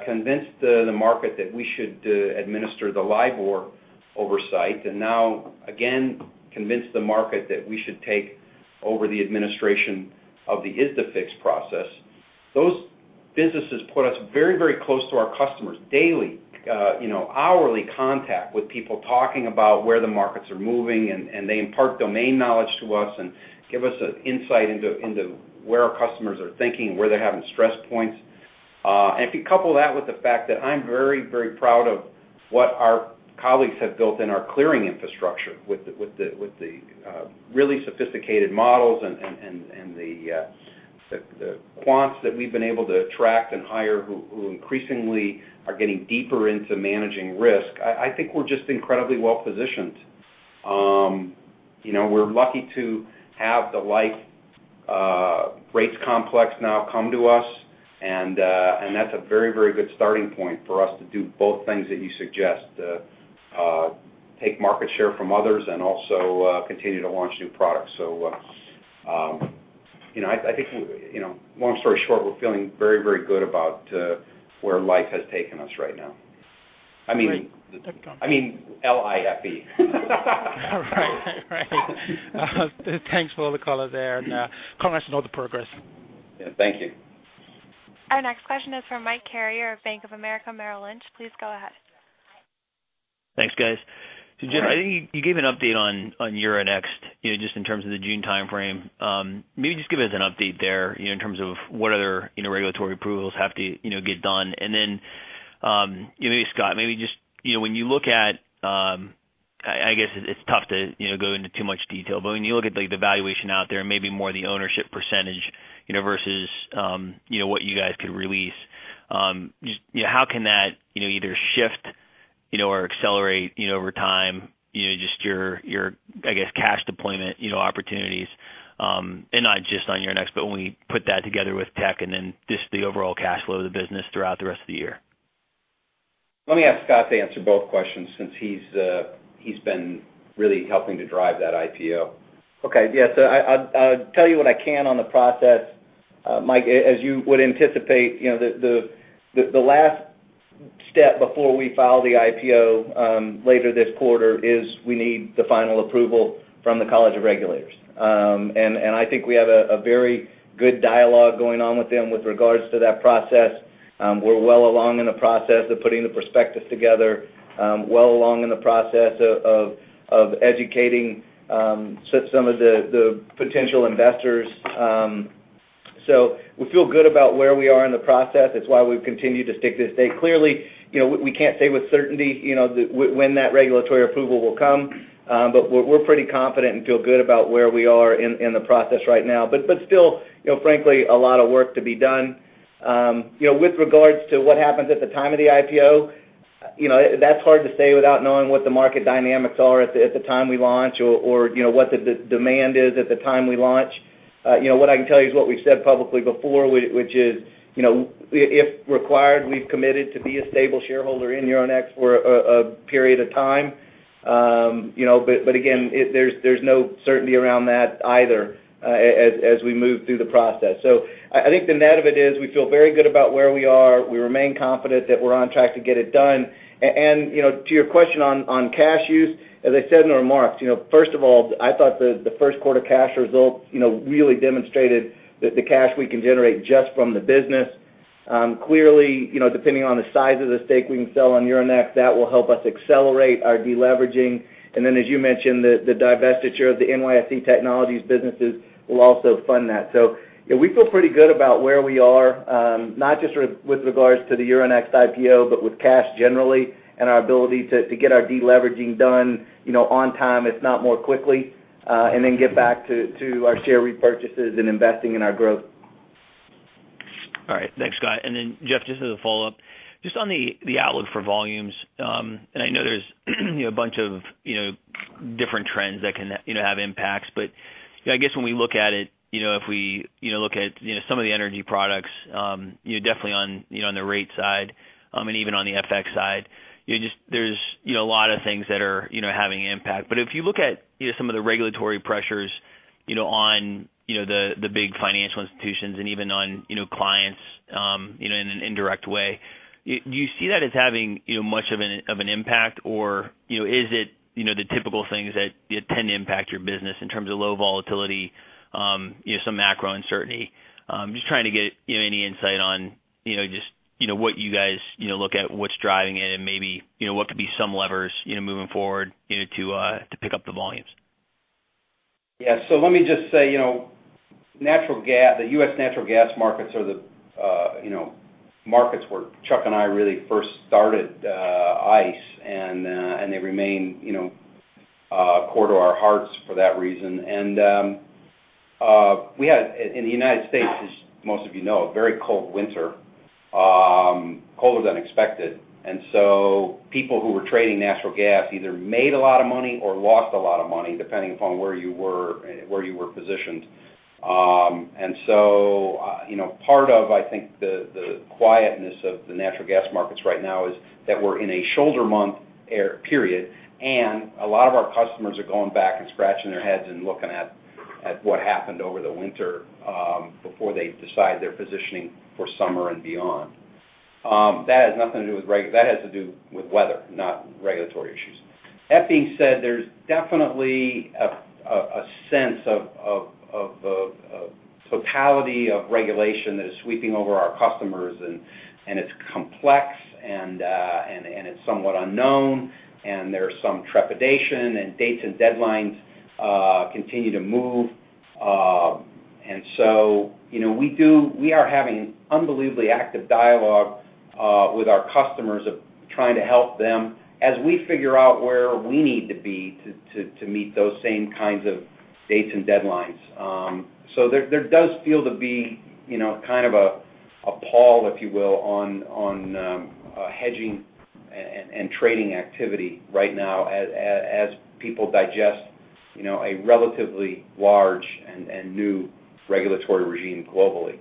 convinced the market that we should administer the LIBOR oversight, and now again, convince the market that we should take over the administration of the ISDAFIX process. Those businesses put us very close to our customers daily, hourly contact with people talking about where the markets are moving, and they impart domain knowledge to us and give us an insight into where our customers are thinking, where they're having stress points. If you couple that with the fact that I'm very proud of what our colleagues have built in our clearing infrastructure with the really sophisticated models and the quants that we've been able to attract and hire who increasingly are getting deeper into managing risk, I think we're just incredibly well-positioned. We're lucky to have the Liffe rates complex now come to us, and that's a very good starting point for us to do both things that you suggest. Take market share from others and also continue to launch new products. I think, long story short, we're feeling very, very good about where Liffe has taken us right now. I mean- Great. I mean, L-I-F-F-E. Right. Thanks for all the color there, congratulations on all the progress. Yeah, thank you. Our next question is from Michael Carrier of Bank of America Merrill Lynch. Please go ahead. Thanks, guys. Jeff, I think you gave an update on Euronext, just in terms of the June timeframe. Maybe just give us an update there, in terms of what other regulatory approvals have to get done. Maybe Scott, I guess it's tough to go into too much detail, but when you look at the valuation out there and maybe more the ownership percentage versus what you guys could release, how can that either shift or accelerate over time, just your, I guess, cash deployment opportunities, and not just on Euronext, but when we put that together with tech and then just the overall cash flow of the business throughout the rest of the year? Let me ask Scott to answer both questions since he's been really helping to drive that IPO. Okay. Yeah. I'll tell you what I can on the process, Mike. As you would anticipate, the last step before we file the IPO, later this quarter, is we need the final approval from the College of Regulators. I think we have a very good dialogue going on with them with regards to that process. We're well along in the process of putting the prospectus together, well along in the process of educating some of the potential investors. We feel good about where we are in the process. That's why we've continued to stick to this date. Clearly, we can't say with certainty when that regulatory approval will come. We're pretty confident and feel good about where we are in the process right now. Still, frankly, a lot of work to be done. With regards to what happens at the time of the IPO, that's hard to say without knowing what the market dynamics are at the time we launch or what the demand is at the time we launch. What I can tell you is what we've said publicly before, which is, if required, we've committed to be a stable shareholder in Euronext for a period of time. Again, there's no certainty around that either, as we move through the process. I think the net of it is we feel very good about where we are. We remain confident that we're on track to get it done. To your question on cash use, as I said in the remarks, first of all, I thought the first quarter cash results really demonstrated the cash we can generate just from the business. Clearly, depending on the size of the stake we can sell on Euronext, that will help us accelerate our de-leveraging. Then, as you mentioned, the divestiture of the NYSE Technologies businesses will also fund that. We feel pretty good about where we are, not just with regards to the Euronext IPO, but with cash generally and our ability to get our de-leveraging done on time, if not more quickly, and then get back to our share repurchases and investing in our growth. Thanks, Scott. Jeff, just as a follow-up, just on the outlook for volumes, I know there's a bunch of different trends that can have impacts. I guess when we look at it, if we look at some of the energy products, definitely on the rate side, and even on the FX side, there's a lot of things that are having impact. If you look at some of the regulatory pressures on the big financial institutions and even on clients, in an indirect way, do you see that as having much of an impact or is it the typical things that tend to impact your business in terms of low volatility, some macro uncertainty? I'm just trying to get any insight on just what you guys look at what's driving it and maybe what could be some levers moving forward to pick up the volumes. Let me just say, the U.S. natural gas markets are the markets where Chuck and I really first started ICE, and they remain core to our hearts for that reason. We had, in the United States, as most of you know, a very cold winter, colder than expected. People who were trading natural gas either made a lot of money or lost a lot of money, depending upon where you were positioned. Part of, I think, the quietness of the natural gas markets right now is that we're in a shoulder month period, and a lot of our customers are going back and scratching their heads and looking at what happened over the winter, before they decide their positioning for summer and beyond. That has nothing to do with reg. That has to do with weather, not regulatory issues. That being said, there's definitely a sense of totality of regulation that is sweeping over our customers, and it's complex and it's somewhat unknown, and there's some trepidation, and dates and deadlines continue to move. We are having unbelievably active dialogue with our customers of trying to help them as we figure out where we need to be to meet those same kinds of dates and deadlines. There does feel to be kind of a pause, if you will, on hedging and trading activity right now as people digest a relatively large and new regulatory regime globally.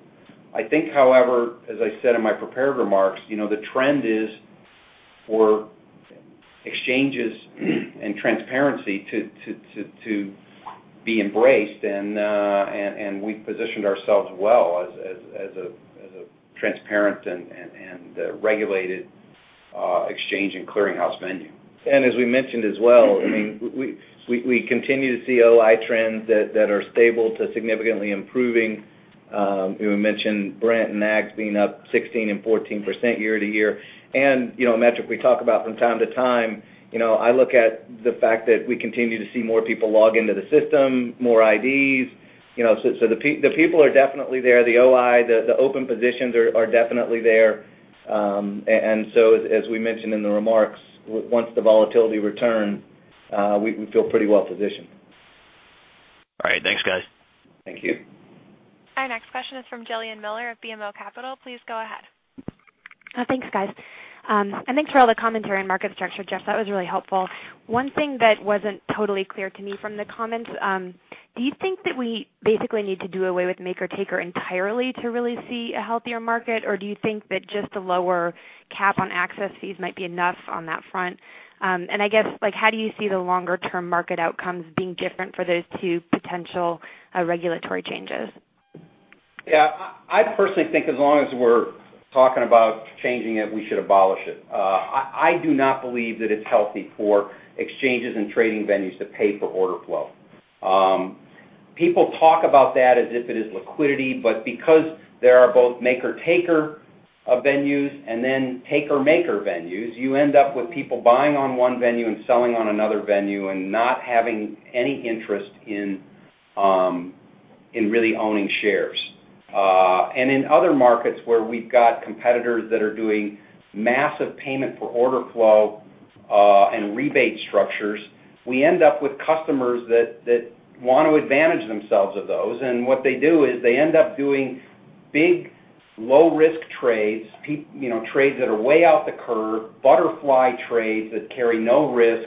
I think however, as I said in my prepared remarks, the trend is for exchanges and transparency to be embraced, and we've positioned ourselves well as a transparent and regulated exchange and clearinghouse venue. As we mentioned as well, we continue to see OI trends that are stable to significantly improving. We mentioned Brent and AGs being up 16% and 14% year-over-year. A metric we talk about from time to time, I look at the fact that we continue to see more people log into the system, more IDs. The people are definitely there. The OI, the open positions are definitely there. As we mentioned in the remarks, once the volatility returns, we feel pretty well positioned. All right. Thanks, guys. Thank you. Our next question is from Jillian Miller of BMO Capital. Please go ahead. Thanks, guys. Thanks for all the commentary on market structure, Jeff. That was really helpful. One thing that wasn't totally clear to me from the comments, do you think that we basically need to do away with maker-taker entirely to really see a healthier market? Or do you think that just a lower cap on access fees might be enough on that front? I guess, how do you see the longer-term market outcomes being different for those two potential regulatory changes? Yeah. I personally think as long as we're talking about changing it, we should abolish it. I do not believe that it's healthy for exchanges and trading venues to pay for order flow. People talk about that as if it is liquidity, but because there are both maker-taker venues and then taker-maker venues, you end up with people buying on one venue and selling on another venue and not having any interest in really owning shares. In other markets where we've got competitors that are doing massive payment for order flow, and rebate structures, we end up with customers that want to advantage themselves of those, and what they do is they end up doing big low-risk trades that are way out the curve, butterfly trades that carry no risk,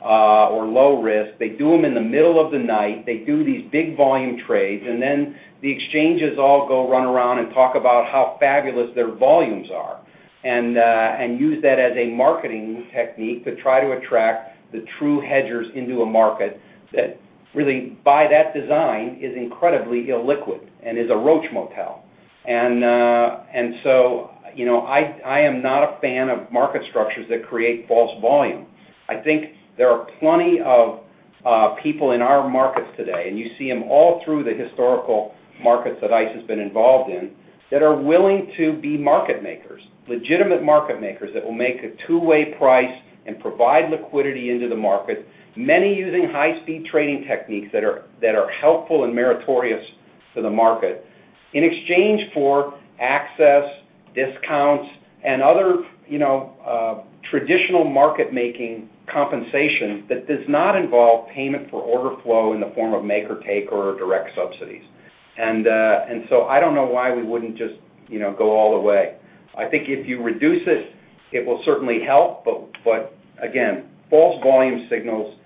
or low risk. They do them in the middle of the night. They do these big volume trades, then the exchanges all go run around and talk about how fabulous their volumes are, and use that as a marketing technique to try to attract the true hedgers into a market that really, by that design, is incredibly illiquid and is a roach motel. So, I am not a fan of market structures that create false volume. I think there are plenty of people in our markets today, and you see them all through the historical markets that ICE has been involved in, that are willing to be market makers, legitimate market makers that will make a two-way price and provide liquidity into the market, many using high-speed trading techniques that are helpful and meritorious to the market in exchange for access, discounts, and other traditional market-making compensation that does not involve payment for order flow in the form of maker-taker or direct subsidies. So I don't know why we wouldn't just go all the way. Again, false volume signals,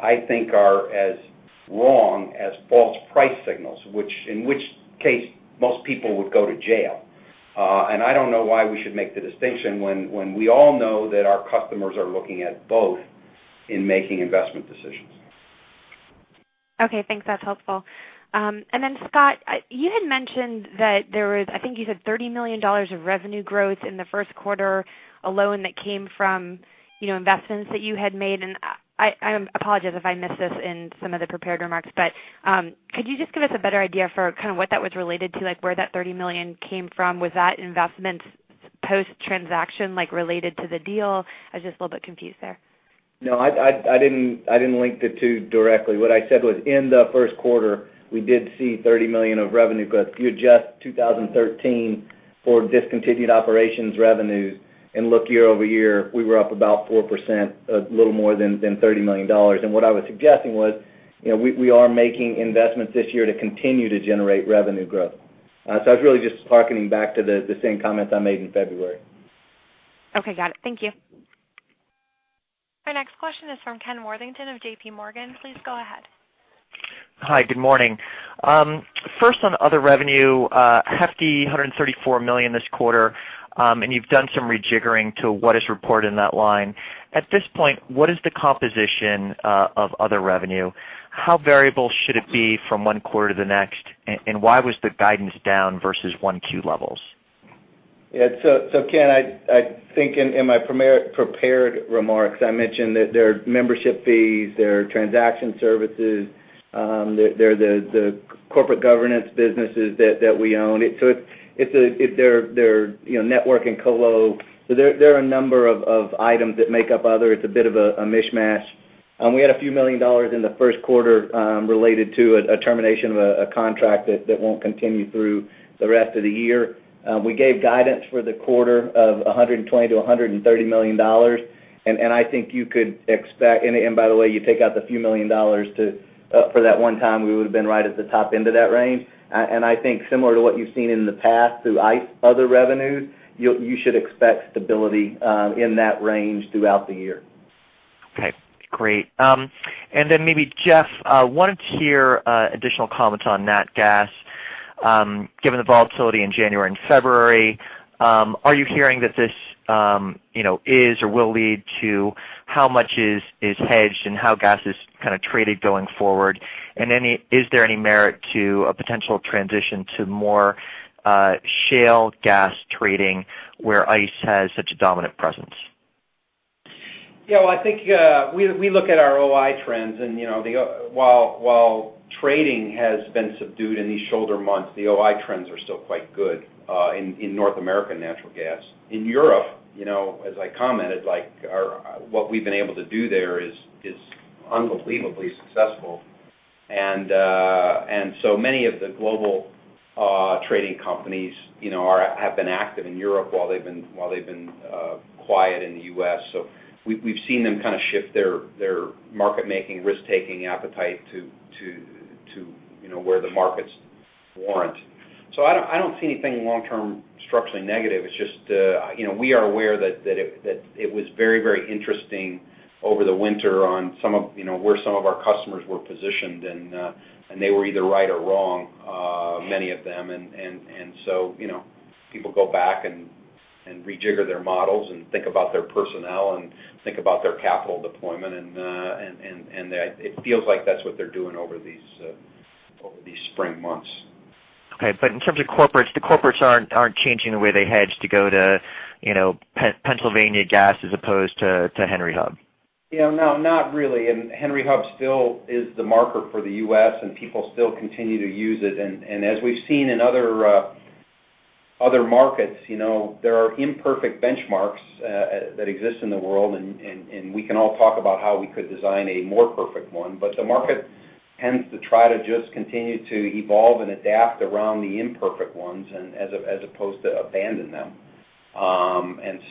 I think, are as wrong as false price signals, in which case most people would go to jail. I don't know why we should make the distinction when we all know that our customers are looking at both in making investment decisions. Okay, thanks. That's helpful. Scott, you had mentioned that there was, I think you said $30 million of revenue growth in the first quarter alone that came from investments that you had made, and I apologize if I missed this in some of the prepared remarks, but could you just give us a better idea for what that was related to, where the $30 million came from? Was that investments post-transaction related to the deal? I was just a little bit confused there. No, I didn't link the two directly. What I said was in the first quarter, we did see $30 million of revenue, but if you adjust 2013 for discontinued operations revenues and look year-over-year, we were up about 4%, a little more than $30 million. What I was suggesting was, we are making investments this year to continue to generate revenue growth. I was really just hearkening back to the same comments I made in February. Okay. Got it. Thank you. Our next question is from Kenneth Worthington of JP Morgan. Please go ahead. Hi. Good morning. First on other revenue, a hefty $134 million this quarter. You've done some rejiggering to what is reported in that line. At this point, what is the composition of other revenue? How variable should it be from one quarter to the next? Why was the guidance down versus Q1 levels? Yeah. Ken, I think in my prepared remarks, I mentioned that there are membership fees, there are transaction services, there are the corporate governance businesses that we own. There are network and co-lo. There are a number of items that make up other. It's a bit of a mishmash. We had a few million dollars in the first quarter related to a termination of a contract that won't continue through the rest of the year. We gave guidance for the quarter of $120 million to $130 million. I think you could expect. By the way, you take out the few million dollars for that one-time, we would've been right at the top end of that range. I think similar to what you've seen in the past through ICE, other revenues, you should expect stability in that range throughout the year. Okay, great. Then maybe Jeff, wanted to hear additional comments on nat gas. Given the volatility in January and February, are you hearing that this is or will lead to how much is hedged and how gas is kind of traded going forward? Is there any merit to a potential transition to more shale gas trading where ICE has such a dominant presence? Well, I think, we look at our OI trends and while trading has been subdued in these shoulder months, the OI trends are still quite good in North American natural gas. In Europe, as I commented, what we've been able to do there is unbelievably successful. So many of the global trading companies have been active in Europe while they've been quiet in the U.S. So we've seen them kind of shift their market-making, risk-taking appetite to where the markets warrant. So I don't see anything long-term structurally negative. It's just, we are aware that it was very interesting over the winter on where some of our customers were positioned. They were either right or wrong, many of them. So people go back and rejigger their models and think about their personnel and think about their capital deployment. It feels like that's what they're doing over these spring months. Okay. In terms of corporates, the corporates aren't changing the way they hedge to go to Pennsylvania gas as opposed to Henry Hub. Yeah. No, not really. Henry Hub still is the marker for the U.S. People still continue to use it. As we've seen in other markets, there are imperfect benchmarks that exist in the world. We can all talk about how we could design a more perfect one, but the market tends to try to just continue to evolve and adapt around the imperfect ones as opposed to abandon them.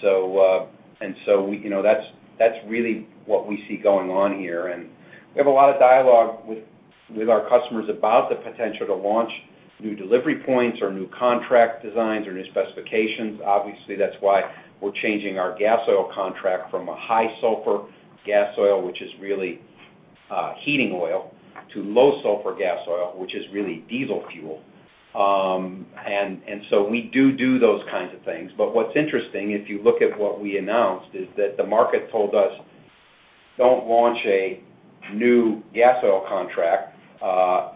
So that's really what we see going on here. We have a lot of dialogue with our customers about the potential to launch new delivery points or new contract designs or new specifications. Obviously, that's why we're changing our Gasoil contract from a high sulfur Gasoil, which is really heating oil, to low sulfur Gasoil, which is really diesel fuel. So we do those kinds of things. What's interesting, if you look at what we announced, is that the market told us, "Don't launch a new Gasoil contract,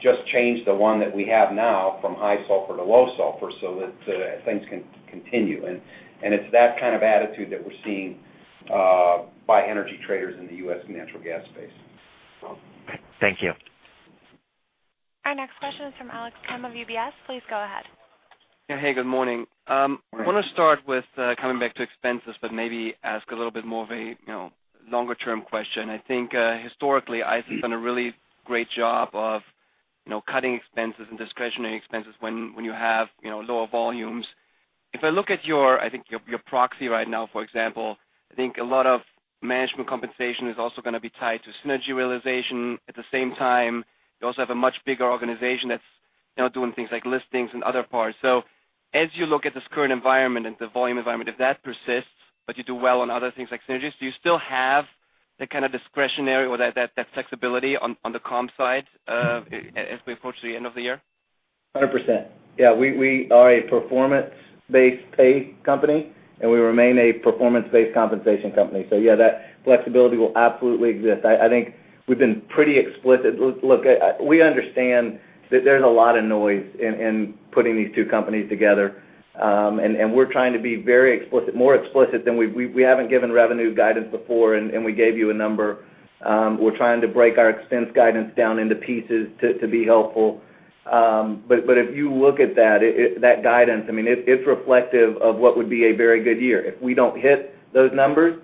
just change the one that we have now from high sulfur to low sulfur so that things can continue." It's that kind of attitude that we're seeing by energy traders in the U.S. natural gas space. Thank you. Our next question is from Alex Kramm of UBS. Please go ahead. Yeah. Hey, good morning. Morning. I want to start with coming back to expenses, but maybe ask a little bit more of a longer-term question. Historically, ICE has done a really great job of cutting expenses and discretionary expenses when you have lower volumes. If I look at your proxy right now, for example, a lot of management compensation is also going to be tied to synergy realization. At the same time, you also have a much bigger organization that's now doing things like listings and other parts. As you look at this current environment and the volume environment, if that persists, but you do well on other things like synergies, do you still have the kind of discretionary or that flexibility on the comp side as we approach the end of the year? 100%. Yeah. We are a performance-based pay company, and we remain a performance-based compensation company. Yeah, that flexibility will absolutely exist. I think we've been pretty explicit. Look, we understand that there's a lot of noise in putting these two companies together. We're trying to be very explicit, more explicit than we haven't given revenue guidance before, and we gave you a number. We're trying to break our expense guidance down into pieces to be helpful. If you look at that guidance, it's reflective of what would be a very good year. If we don't hit those numbers,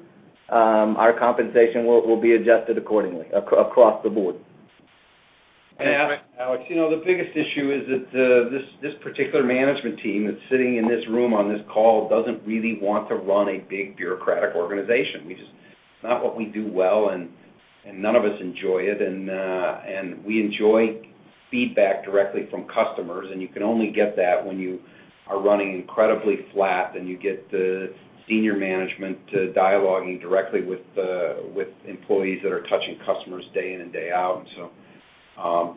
our compensation will be adjusted accordingly across the board. Alex, the biggest issue is that this particular management team that's sitting in this room on this call doesn't really want to run a big bureaucratic organization. It's not what we do well, and none of us enjoy it. We enjoy feedback directly from customers, and you can only get that when you are running incredibly flat, and you get the senior management to dialoguing directly with employees that are touching customers day in and day out.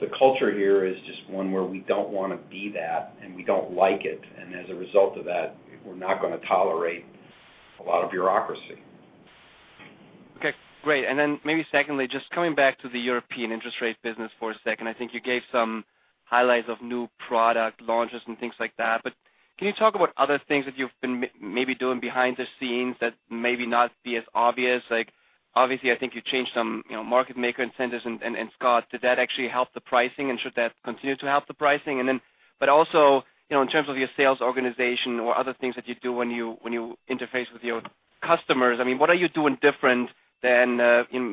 The culture here is just one where we don't want to be that, and we don't like it. As a result of that, we're not going to tolerate a lot of bureaucracy. Okay, great. Maybe secondly, just coming back to the European interest rate business for a second. I think you gave some highlights of new product launches and things like that. Can you talk about other things that you've been maybe doing behind the scenes that maybe not be as obvious? Like, obviously, I think you changed some market maker incentives, and Scott, did that actually help the pricing, and should that continue to help the pricing? In terms of your sales organization or other things that you do when you interface with your customers, what are you doing different than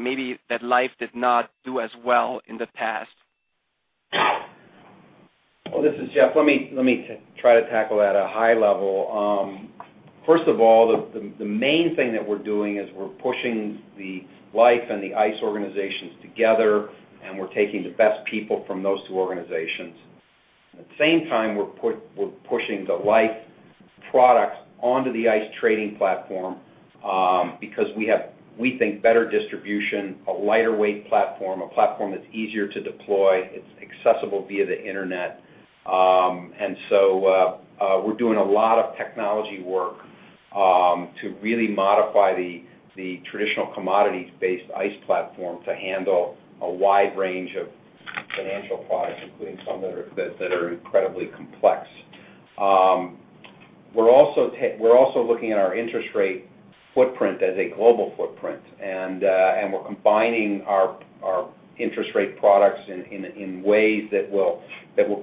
maybe that Liffe did not do as well in the past? Well, this is Jeff. Let me try to tackle at a high level. First of all, the main thing that we're doing is we're pushing the Liffe and the ICE organizations together, and we're taking the best people from those two organizations. At the same time, we're pushing the Liffe products onto the ICE trading platform, because we have, we think, better distribution, a lighter weight platform, a platform that's easier to deploy. It's accessible via the internet. We're doing a lot of technology work to really modify the traditional commodities-based ICE platform to handle a wide range of financial products, including some that are incredibly complex. We're also looking at our interest rate footprint as a global footprint. We're combining our interest rate products in ways that will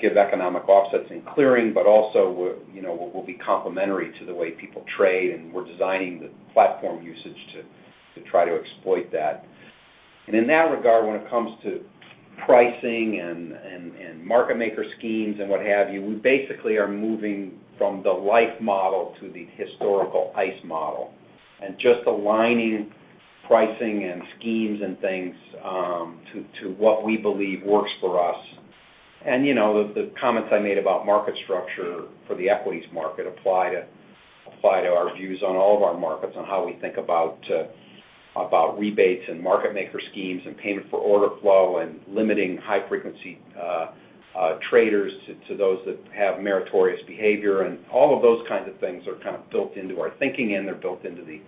give economic offsets in clearing, but also will be complementary to the way people trade, and we're designing the platform usage to try to exploit that. In that regard, when it comes to pricing and market maker schemes and what have you, we basically are moving from the Liffe model to the historical ICE model and just aligning pricing and schemes and things, to what we believe works for us. The comments I made about market structure for the equities market apply to our views on all of our markets on how we think about rebates and market maker schemes and payment for order flow and limiting high-frequency traders to those that have meritorious behavior. All of those kinds of things are kind of built into our thinking, and they're built into the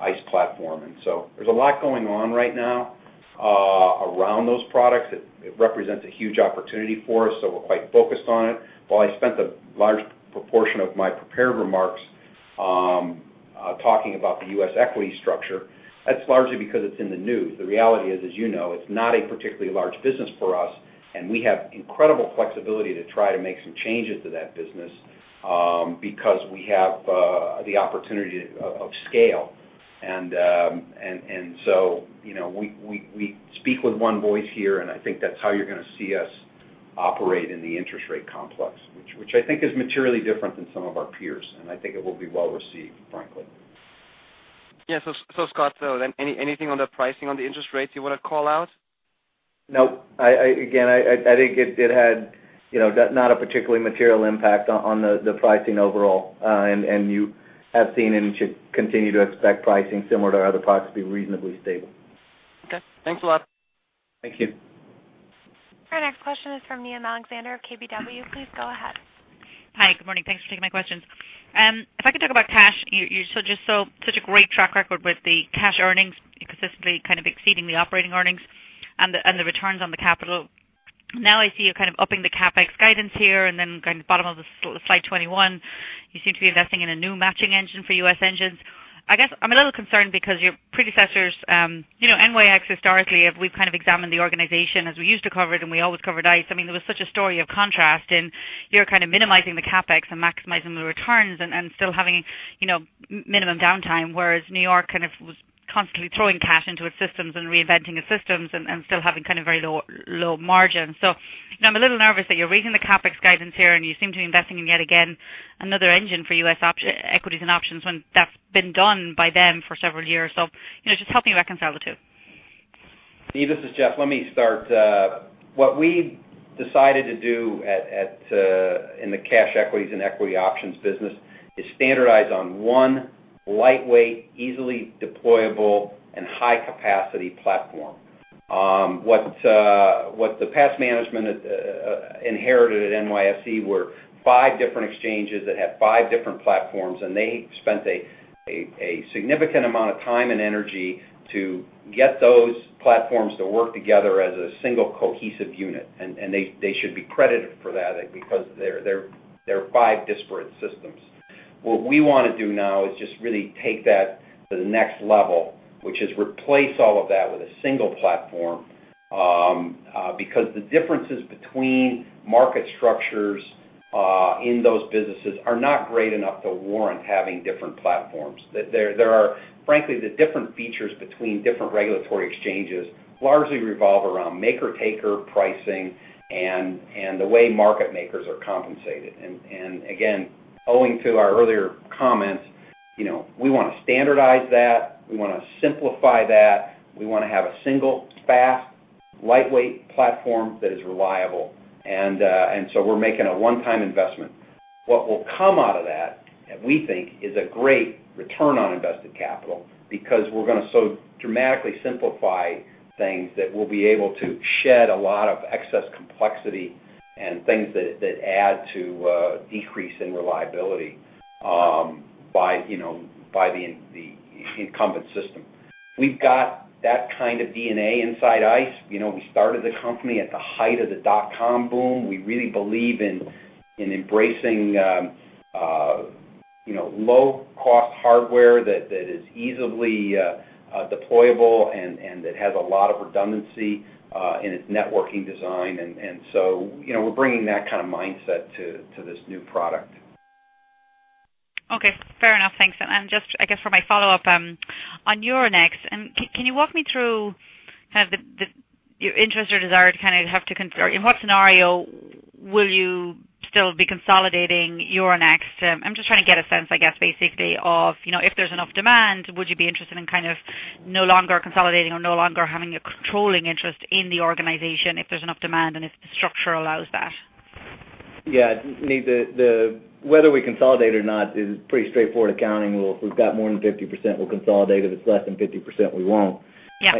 ICE platform. There's a lot going on right now around those products. It represents a huge opportunity for us, so we're quite focused on it. While I spent a large proportion of my prepared remarks talking about the U.S. equity structure, that's largely because it's in the news. The reality is, as you know, it's not a particularly large business for us, and we have incredible flexibility to try to make some changes to that business, because we have the opportunity of scale. We speak with one voice here, and I think that's how you're going to see us operate in the interest rate complex, which I think is materially different than some of our peers, and I think it will be well-received, frankly. Yeah. Scott, anything on the pricing on the interest rates you want to call out? No. Again, I think it had not a particularly material impact on the pricing overall. You have seen and should continue to expect pricing similar to our other products to be reasonably stable. Okay. Thanks a lot. Thank you. Our next question is from Niamh Alexander of KBW. Please go ahead. Hi. Good morning. Thanks for taking my questions. If I could talk about cash. You showed just such a great track record with the cash earnings consistently kind of exceeding the operating earnings and the returns on the capital. Now I see you're kind of upping the CapEx guidance here, going to the bottom of slide 21, you seem to be investing in a new matching engine for U.S. engines. I guess I'm a little concerned because your predecessors, NYSE Euronext historically, we've kind of examined the organization as we used to cover it, and we always covered ICE. I mean, there was such a story of contrast, you're kind of minimizing the CapEx and maximizing the returns and still having minimum downtime, whereas New York kind of was constantly throwing cash into its systems and reinventing its systems and still having kind of very low margins. I'm a little nervous that you're raising the CapEx guidance here, and you seem to be investing in yet again another engine for U.S. equities and options when that's been done by them for several years. Just help me reconcile the two. Niamh, this is Jeff. Let me start. What we decided to do in the cash equities and equity options business is standardize on one lightweight, easily deployable, and high-capacity platform. What the past management inherited at NYSE were five different exchanges that had five different platforms, and they spent a significant amount of time and energy to get those platforms to work together as a single cohesive unit. They should be credited for that because they're five disparate systems. What we want to do now is just really take that to the next level, which is replace all of that with a single platform, because the differences between market structures, in those businesses are not great enough to warrant having different platforms. There are, frankly, the different features between different regulatory exchanges largely revolve around maker-taker pricing and the way market makers are compensated. Again, owing to our earlier comments, we want to standardize that. We want to simplify that. We want to have a single, fast, lightweight platform that is reliable. We're making a one-time investment. What will come out of that, we think, is a great return on invested capital because we're going to so dramatically simplify things that we'll be able to shed a lot of excess complexity and things that add to a decrease in reliability by the incumbent system. We've got that kind of DNA inside ICE. We started the company at the height of the dot-com boom. We really believe in embracing low-cost hardware that is easily deployable and that has a lot of redundancy in its networking design. We're bringing that kind of mindset to this new product. Okay, fair enough. Thanks. Just, I guess, for my follow-up on Euronext, can you walk me through your interest or desire to have In what scenario will you still be consolidating Euronext? I'm just trying to get a sense, I guess, basically of if there's enough demand, would you be interested in no longer consolidating or no longer having a controlling interest in the organization if there's enough demand and if the structure allows that? Yeah. Whether we consolidate or not is pretty straightforward accounting. If we've got more than 50%, we'll consolidate. If it's less than 50%, we won't. Yeah.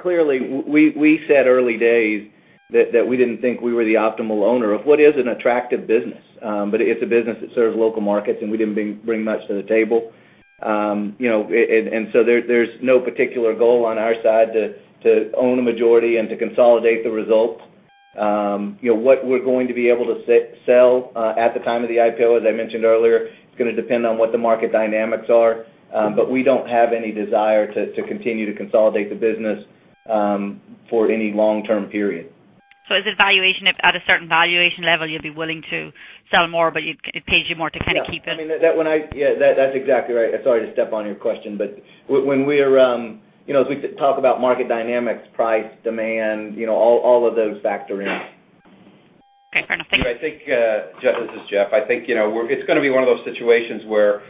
Clearly, we said early days that we didn't think we were the optimal owner of what is an attractive business. It's a business that serves local markets, and we didn't bring much to the table. There's no particular goal on our side to own a majority and to consolidate the results. What we're going to be able to sell at the time of the IPO, as I mentioned earlier, is going to depend on what the market dynamics are. We don't have any desire to continue to consolidate the business for any long-term period. Is it valuation at a certain valuation level, you'd be willing to sell more, but it pays you more to kind of keep it? Yeah. That's exactly right. Sorry to step on your question, but as we talk about market dynamics, price, demand, all of those factor in. Okay, fair enough. Thanks. This is Jeff. I think it's going to be one of those situations where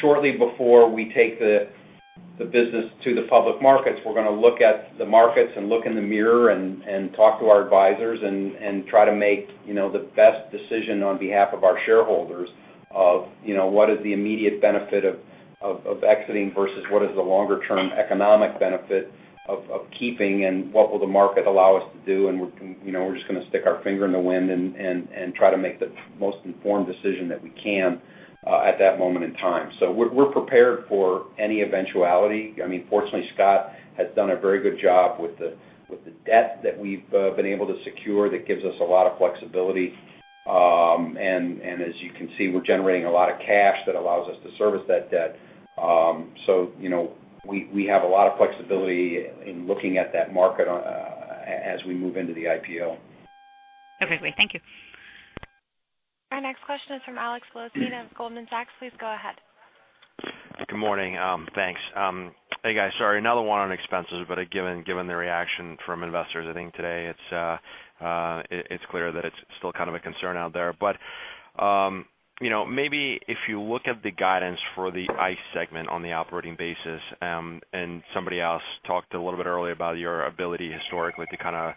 shortly before we take the business to the public markets, we're going to look at the markets and look in the mirror and talk to our advisors and try to make the best decision on behalf of our shareholders of what is the immediate benefit of exiting versus what is the longer-term economic benefit of keeping, and what will the market allow us to do, and we're just going to stick our finger in the wind and try to make the most informed decision that we can at that moment in time. We're prepared for any eventuality. Fortunately, Scott has done a very good job with the debt that we've been able to secure. That gives us a lot of flexibility. As you can see, we're generating a lot of cash that allows us to service that debt. We have a lot of flexibility in looking at that market as we move into the IPO. Okay, great. Thank you. Our next question is from Alex Blostein of Goldman Sachs. Please go ahead. Good morning. Thanks. Hey, guys, sorry, another one on expenses, but given the reaction from investors, I think today it's clear that it's still kind of a concern out there. Maybe if you look at the guidance for the ICE segment on the operating basis, somebody else talked a little bit earlier about your ability historically to kind of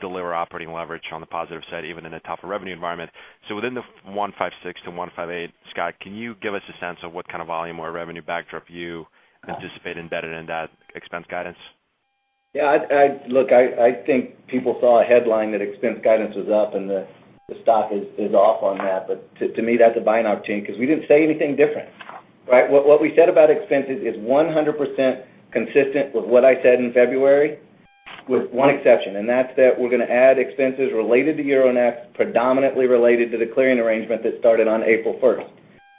deliver operating leverage on the positive side, even in a tougher revenue environment. Within the $156-$158, Scott, can you give us a sense of what kind of volume or revenue backdrop you anticipate embedded in that expense guidance? Look, I think people saw a headline that expense guidance was up, the stock is off on that. To me, that's a buying opportunity because we didn't say anything different. What we said about expenses is 100% consistent with what I said in February, with one exception, that's that we're going to add expenses related to Euronext, predominantly related to the clearing arrangement that started on April 1st.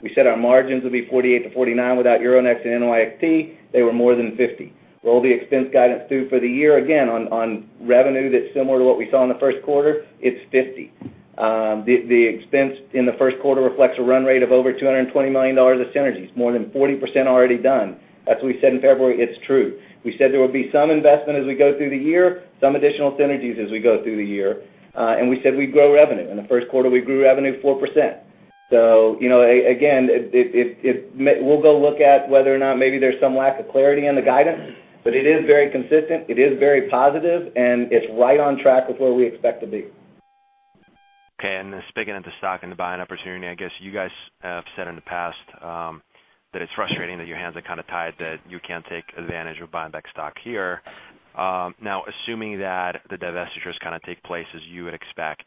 We said our margins would be 48%-49% without Euronext and NYXT. They were more than 50%. Roll the expense guidance through for the year, again, on revenue that's similar to what we saw in the first quarter, it's 50%. The expense in the first quarter reflects a run rate of over $220 million of synergies, more than 40% already done. That's what we said in February. It's true. We said there would be some investment as we go through the year, some additional synergies as we go through the year. We said we'd grow revenue. In the first quarter, we grew revenue 4%. Again, we'll go look at whether or not maybe there's some lack of clarity in the guidance, but it is very consistent, it is very positive, and it's right on track with where we expect to be. Okay. Speaking of the stock and the buying opportunity, I guess you guys have said in the past that it's frustrating that your hands are kind of tied, that you can't take advantage of buying back stock here. Assuming that the divestitures kind of take place as you would expect,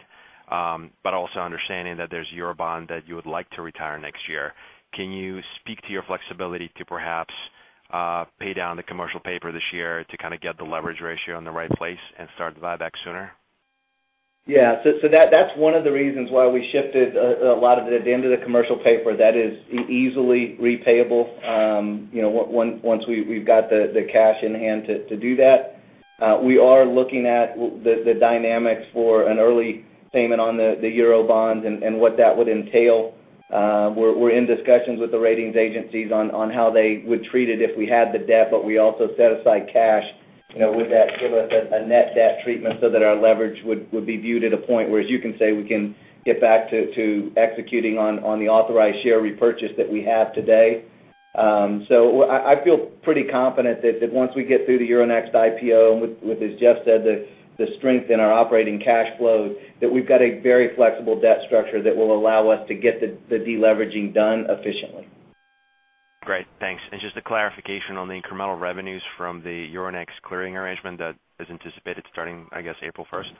but also understanding that there's Eurobond that you would like to retire next year, can you speak to your flexibility to perhaps pay down the commercial paper this year to kind of get the leverage ratio in the right place and start the buyback sooner? Yeah. That's one of the reasons why we shifted a lot of it at the end of the commercial paper that is easily repayable once we've got the cash in hand to do that. We are looking at the dynamics for an early payment on the Eurobonds and what that would entail. We're in discussions with the ratings agencies on how they would treat it if we had the debt, but we also set aside cash. Would that give us a net debt treatment so that our leverage would be viewed at a point where, as you can say, we can get back to executing on the authorized share repurchase that we have today? I feel pretty confident that once we get through the Euronext IPO and as Jeff said, the strength in our operating cash flow, that we've got a very flexible debt structure that will allow us to get the de-leveraging done efficiently. Great. Thanks. Just a clarification on the incremental revenues from the Euronext clearing arrangement that is anticipated starting, I guess, April 1st.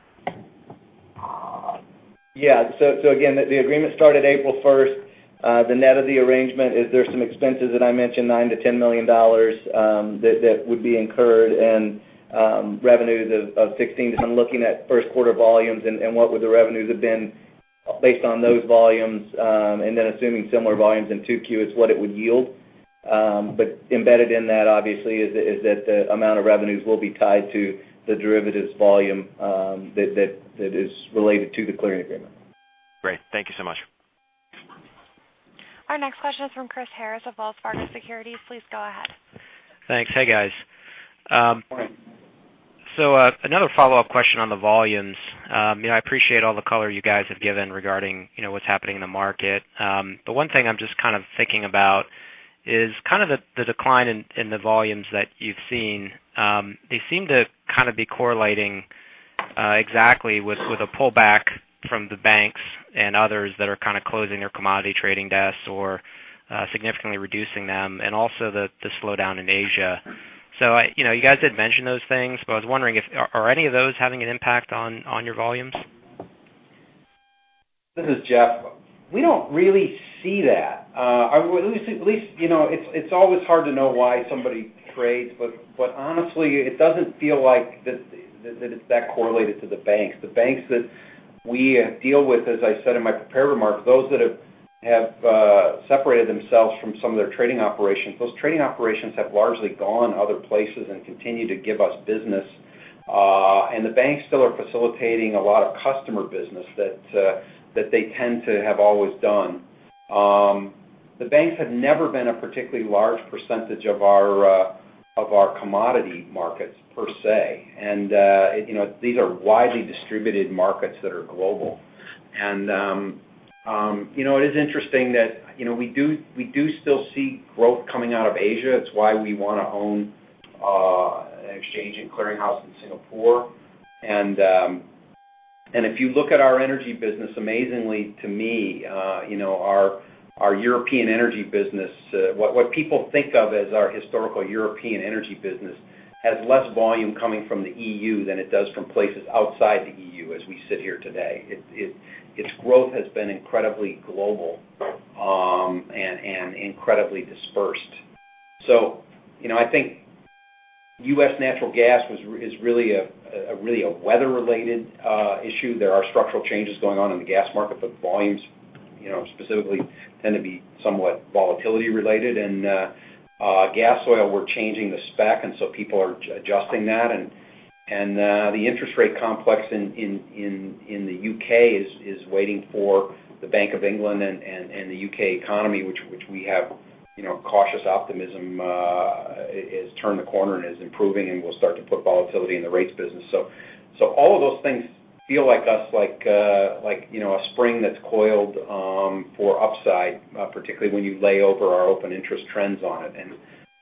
Yeah. Again, the agreement started April 1st. The net of the arrangement is there's some expenses that I mentioned, $9 million-$10 million, that would be incurred and revenues of $16 million. I'm looking at first quarter volumes and what would the revenues have been based on those volumes, then assuming similar volumes in 2Q is what it would yield. Embedded in that, obviously, is that the amount of revenues will be tied to the derivatives volume that is related to the clearing agreement. Great. Thank you so much. Our next question is from Chris Harris of Wells Fargo Securities. Please go ahead. Thanks. Hey, guys. Morning. Another follow-up question on the volumes. I appreciate all the color you guys have given regarding what's happening in the market. One thing I'm just kind of thinking about is the decline in the volumes that you've seen. They seem to kind of be correlating exactly with a pullback from the banks and others that are closing their commodity trading desks or significantly reducing them, and also the slowdown in Asia. You guys did mention those things, but I was wondering, are any of those having an impact on your volumes? This is Jeff. We don't really see that. It's always hard to know why somebody trades, honestly, it doesn't feel like that it's that correlated to the banks. The banks that we deal with, as I said in my prepared remarks, those that have separated themselves from some of their trading operations, those trading operations have largely gone other places and continue to give us business. The banks still are facilitating a lot of customer business that they tend to have always done. The banks have never been a particularly large percentage of our commodity markets, per se. These are widely distributed markets that are global. It is interesting that we do still see growth coming out of Asia. It's why we want to own an exchange and clearinghouse in Singapore. If you look at our energy business, amazingly to me, our European energy business, what people think of as our historical European energy business, has less volume coming from the EU than it does from places outside the EU as we sit here today. Its growth has been incredibly global and incredibly dispersed. I think U.S. natural gas is really a weather-related issue. There are structural changes going on in the gas market, volumes specifically tend to be somewhat volatility related. Gasoil, we're changing the spec, people are adjusting that. The interest rate complex in the U.K. is waiting for the Bank of England and the U.K. economy, which we have cautious optimism has turned the corner and is improving and will start to put volatility in the rates business. all of those things feel like a spring that's coiled for upside, particularly when you lay over our open interest trends on it.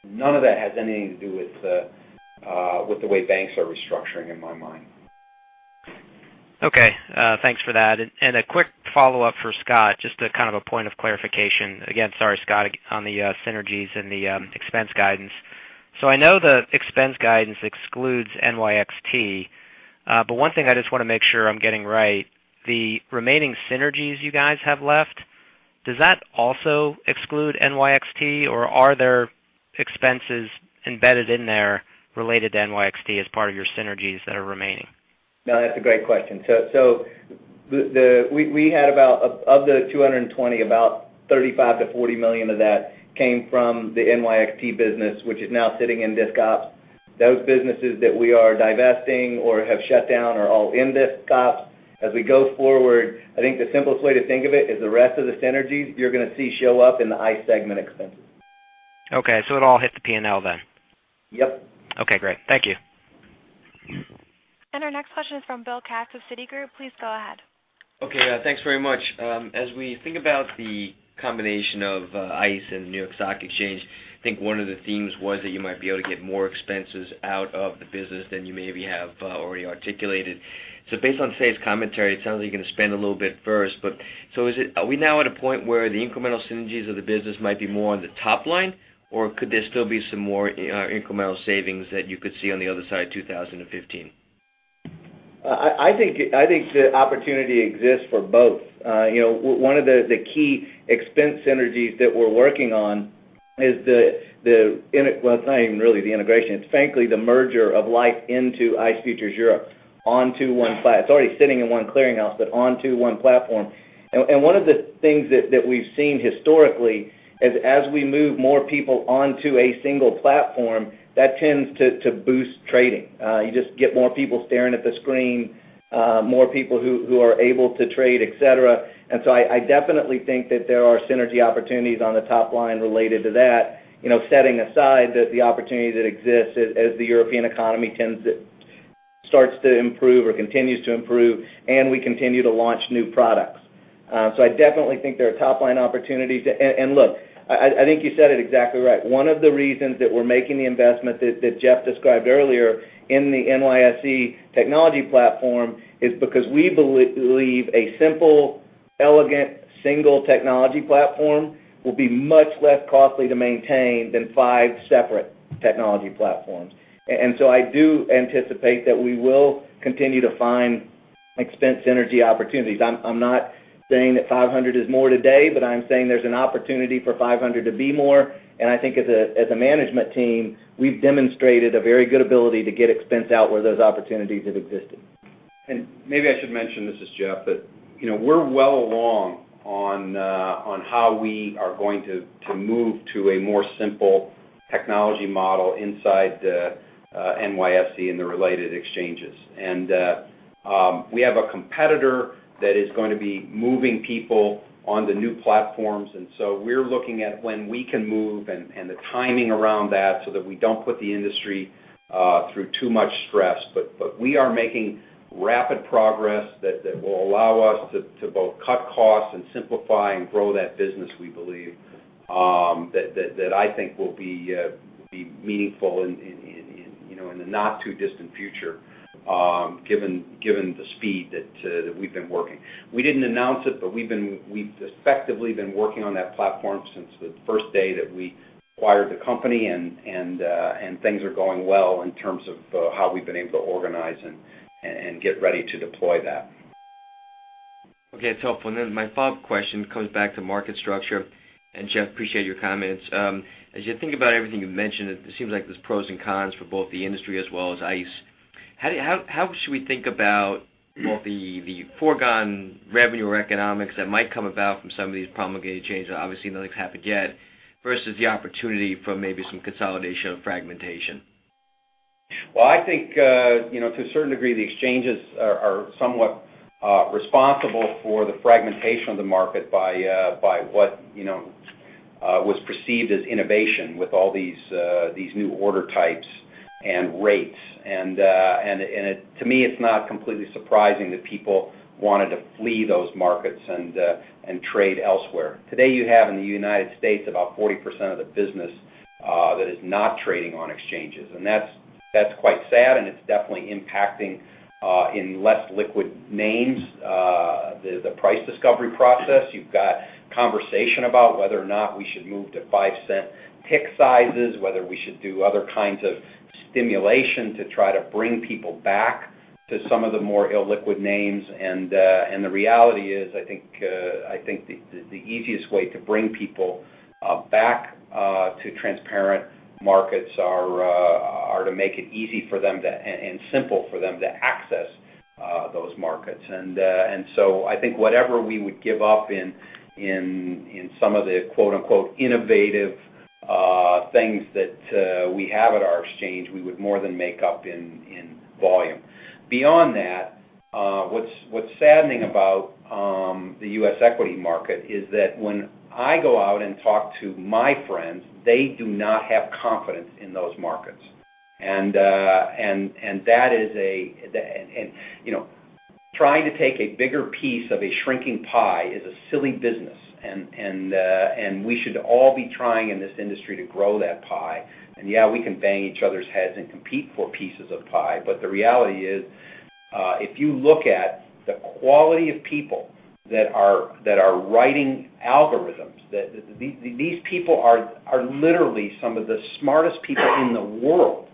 None of that has anything to do with the way banks are restructuring, in my mind. Okay. Thanks for that. A quick follow-up for Scott, just a kind of a point of clarification. Again, sorry, Scott, on the synergies and the expense guidance. I know the expense guidance excludes NYXT, but one thing I just want to make sure I'm getting right, the remaining synergies you guys have left, does that also exclude NYXT, or are there expenses embedded in there related to NYXT as part of your synergies that are remaining? That's a great question. Of the $220, about $35 million-$40 million of that came from the NYXT business, which is now sitting in disc ops. Those businesses that we are divesting or have shut down are all in disc ops. We go forward, I think the simplest way to think of it is the rest of the synergies you're going to see show up in the ICE segment expenses. Okay, it all hit the P&L then? Yep. Okay, great. Thank you. Our next question is from Bill Katz of Citigroup. Please go ahead. Okay. Thanks very much. As we think about the combination of ICE and the New York Stock Exchange, I think one of the themes was that you might be able to get more expenses out of the business than you maybe have already articulated. Based on today's commentary, it sounds like you're going to spend a little bit first. Are we now at a point where the incremental synergies of the business might be more on the top line, or could there still be some more incremental savings that you could see on the other side of 2015? I think the opportunity exists for both. One of the key expense synergies that we're working on is the Well, it's not even really the integration. It's frankly the merger of Liffe into ICE Futures Europe. It's already sitting in one clearinghouse, but onto one platform. One of the things that we've seen historically is as we move more people onto a single platform, that tends to boost trading. You just get more people staring at the screen, more people who are able to trade, et cetera. I definitely think that there are synergy opportunities on the top line related to that, setting aside that the opportunity that exists as the European economy starts to improve or continues to improve, and we continue to launch new products. I definitely think there are top-line opportunities. Look, I think you said it exactly right. One of the reasons that we're making the investment that Jeff described earlier in the NYSE technology platform is because we believe a simple, elegant, single technology platform will be much less costly to maintain than five separate technology platforms. I do anticipate that we will continue to find expense synergy opportunities. I'm not saying that $500 million is more today, but I'm saying there's an opportunity for $500 million to be more. I think as a management team, we've demonstrated a very good ability to get expense out where those opportunities have existed. Maybe I should mention, this is Jeff, that we're well along on how we are going to move to a more simple technology model inside the NYSE and the related exchanges. We have a competitor that is going to be moving people on the new platforms. We're looking at when we can move and the timing around that so that we don't put the industry through too much stress. We are making rapid progress that will allow us to both cut costs and simplify and grow that business, we believe, that I think will be meaningful in the not-too-distant future given the speed that we've been working. We didn't announce it, but we've effectively been working on that platform since the first day that we acquired the company, and things are going well in terms of how we've been able to organize and get ready to deploy that. Okay, that's helpful. My follow-up question comes back to market structure. Jeff, appreciate your comments. As you think about everything you've mentioned, it seems like there's pros and cons for both the industry as well as ICE. How should we think about both the foregone revenue or economics that might come about from some of these promulgated changes, obviously nothing's happened yet, versus the opportunity for maybe some consolidation or fragmentation? Well, I think, to a certain degree, the exchanges are somewhat responsible for the fragmentation of the market by what was perceived as innovation with all these new order types and rates. To me, it's not completely surprising that people wanted to flee those markets and trade elsewhere. Today you have in the U.S. about 40% of the business that is not trading on exchanges. That's quite sad, and it's definitely impacting, in less liquid names, the price discovery process. You've got conversation about whether or not we should move to $0.05 tick sizes, whether we should do other kinds of stimulation to try to bring people back to some of the more illiquid names. The reality is, I think the easiest way to bring people back to transparent markets are to make it easy for them to, and simple for them to access those markets. I think whatever we would give up in some of the quote-unquote "innovative" things that we have at our exchange, we would more than make up in volume. Beyond that, what's saddening about the U.S. equity market is that when I go out and talk to my friends, they do not have confidence in those markets. Trying to take a bigger piece of a shrinking pie is a silly business. We should all be trying in this industry to grow that pie. Yeah, we can bang each other's heads and compete for pieces of pie. The reality is, if you look at the quality of people that are writing algorithms, these people are literally some of the smartest people in the world.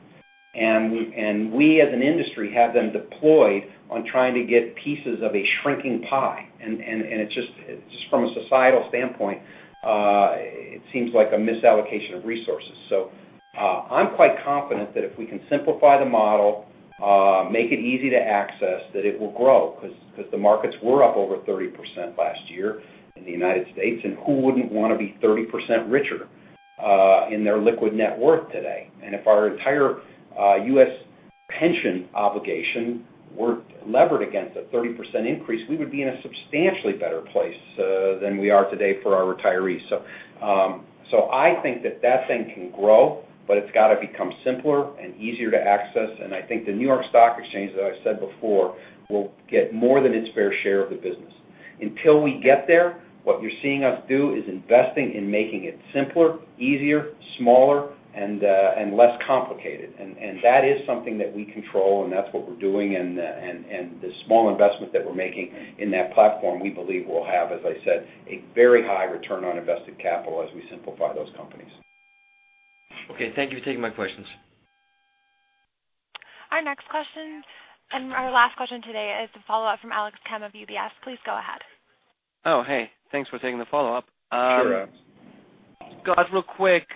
We as an industry have them deployed on trying to get pieces of a shrinking pie. Just from a societal standpoint, it seems like a misallocation of resources. I'm quite confident that if we can simplify the model, make it easy to access, that it will grow because the markets were up over 30% last year in the U.S. Who wouldn't want to be 30% richer in their liquid net worth today? If our entire U.S. pension obligation were levered against a 30% increase, we would be in a substantially better place than we are today for our retirees. I think that that thing can grow, but it's got to become simpler and easier to access. I think the New York Stock Exchange, as I've said before, will get more than its fair share of the business. Until we get there, what you're seeing us do is investing in making it simpler, easier, smaller, and less complicated. That is something that we control, and that's what we're doing. The small investment that we're making in that platform, we believe will have, as I said, a very high return on invested capital as we simplify those companies. Okay. Thank you for taking my questions. Our next question and our last question today is the follow-up from Alex Kramm of UBS. Please go ahead. Oh, hey. Thanks for taking the follow-up. Sure, Alex. Scott, real quick,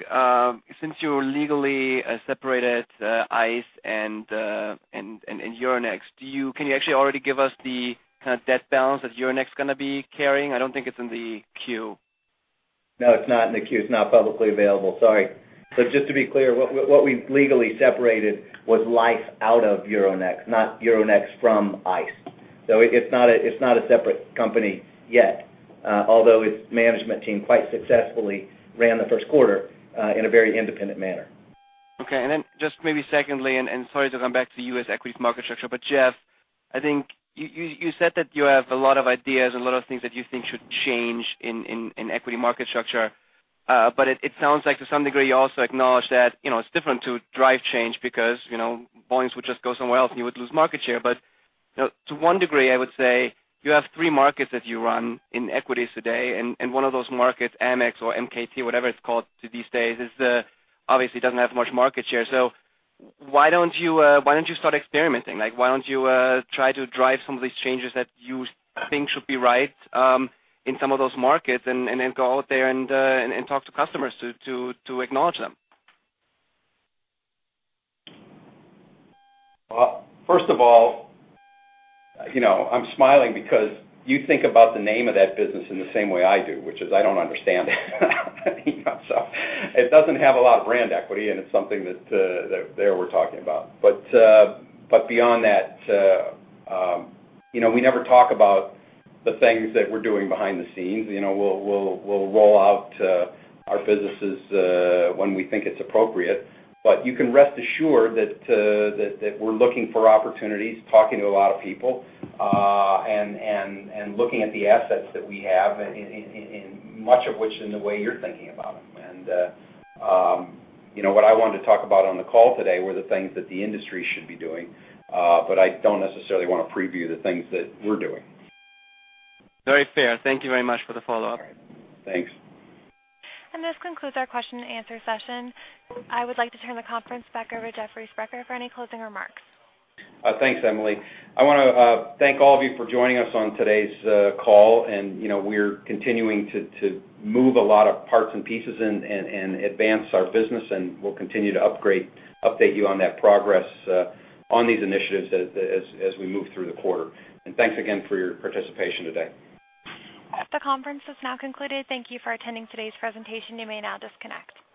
since you legally separated ICE and Euronext, can you actually already give us the kind of debt balance that Euronext's going to be carrying? I don't think it's in the Q. No, it's not in the Q. It's not publicly available. Sorry. Just to be clear, what we legally separated was Liffe out of Euronext, not Euronext from ICE. It's not a separate company yet. Although its management team quite successfully ran the first quarter in a very independent manner. Okay. Just maybe secondly, and sorry to come back to the U.S. equity market structure. Jeff, I think you said that you have a lot of ideas and a lot of things that you think should change in equity market structure. It sounds like to some degree, you also acknowledge that it's different to drive change because volumes would just go somewhere else and you would lose market share. To one degree, I would say you have three markets that you run in equities today, and one of those markets, AMEX or MKT, whatever it's called these days, obviously doesn't have much market share. Why don't you start experimenting? Why don't you try to drive some of these changes that you think should be right in some of those markets and then go out there and talk to customers to acknowledge them? First of all, I'm smiling because you think about the name of that business in the same way I do, which is, I don't understand it. It doesn't have a lot of brand equity, and it's something that there we're talking about. Beyond that, we never talk about the things that we're doing behind the scenes. We'll roll out our businesses when we think it's appropriate. You can rest assured that we're looking for opportunities, talking to a lot of people, and looking at the assets that we have, and much of which in the way you're thinking about them. What I wanted to talk about on the call today were the things that the industry should be doing. I don't necessarily want to preview the things that we're doing. Very fair. Thank you very much for the follow-up. All right. Thanks. This concludes our question and answer session. I would like to turn the conference back over to Jeffrey Sprecher for any closing remarks. Thanks, Emily. I want to thank all of you for joining us on today's call, and we're continuing to move a lot of parts and pieces and advance our business, and we'll continue to update you on that progress on these initiatives as we move through the quarter. Thanks again for your participation today. The conference is now concluded. Thank you for attending today's presentation. You may now disconnect.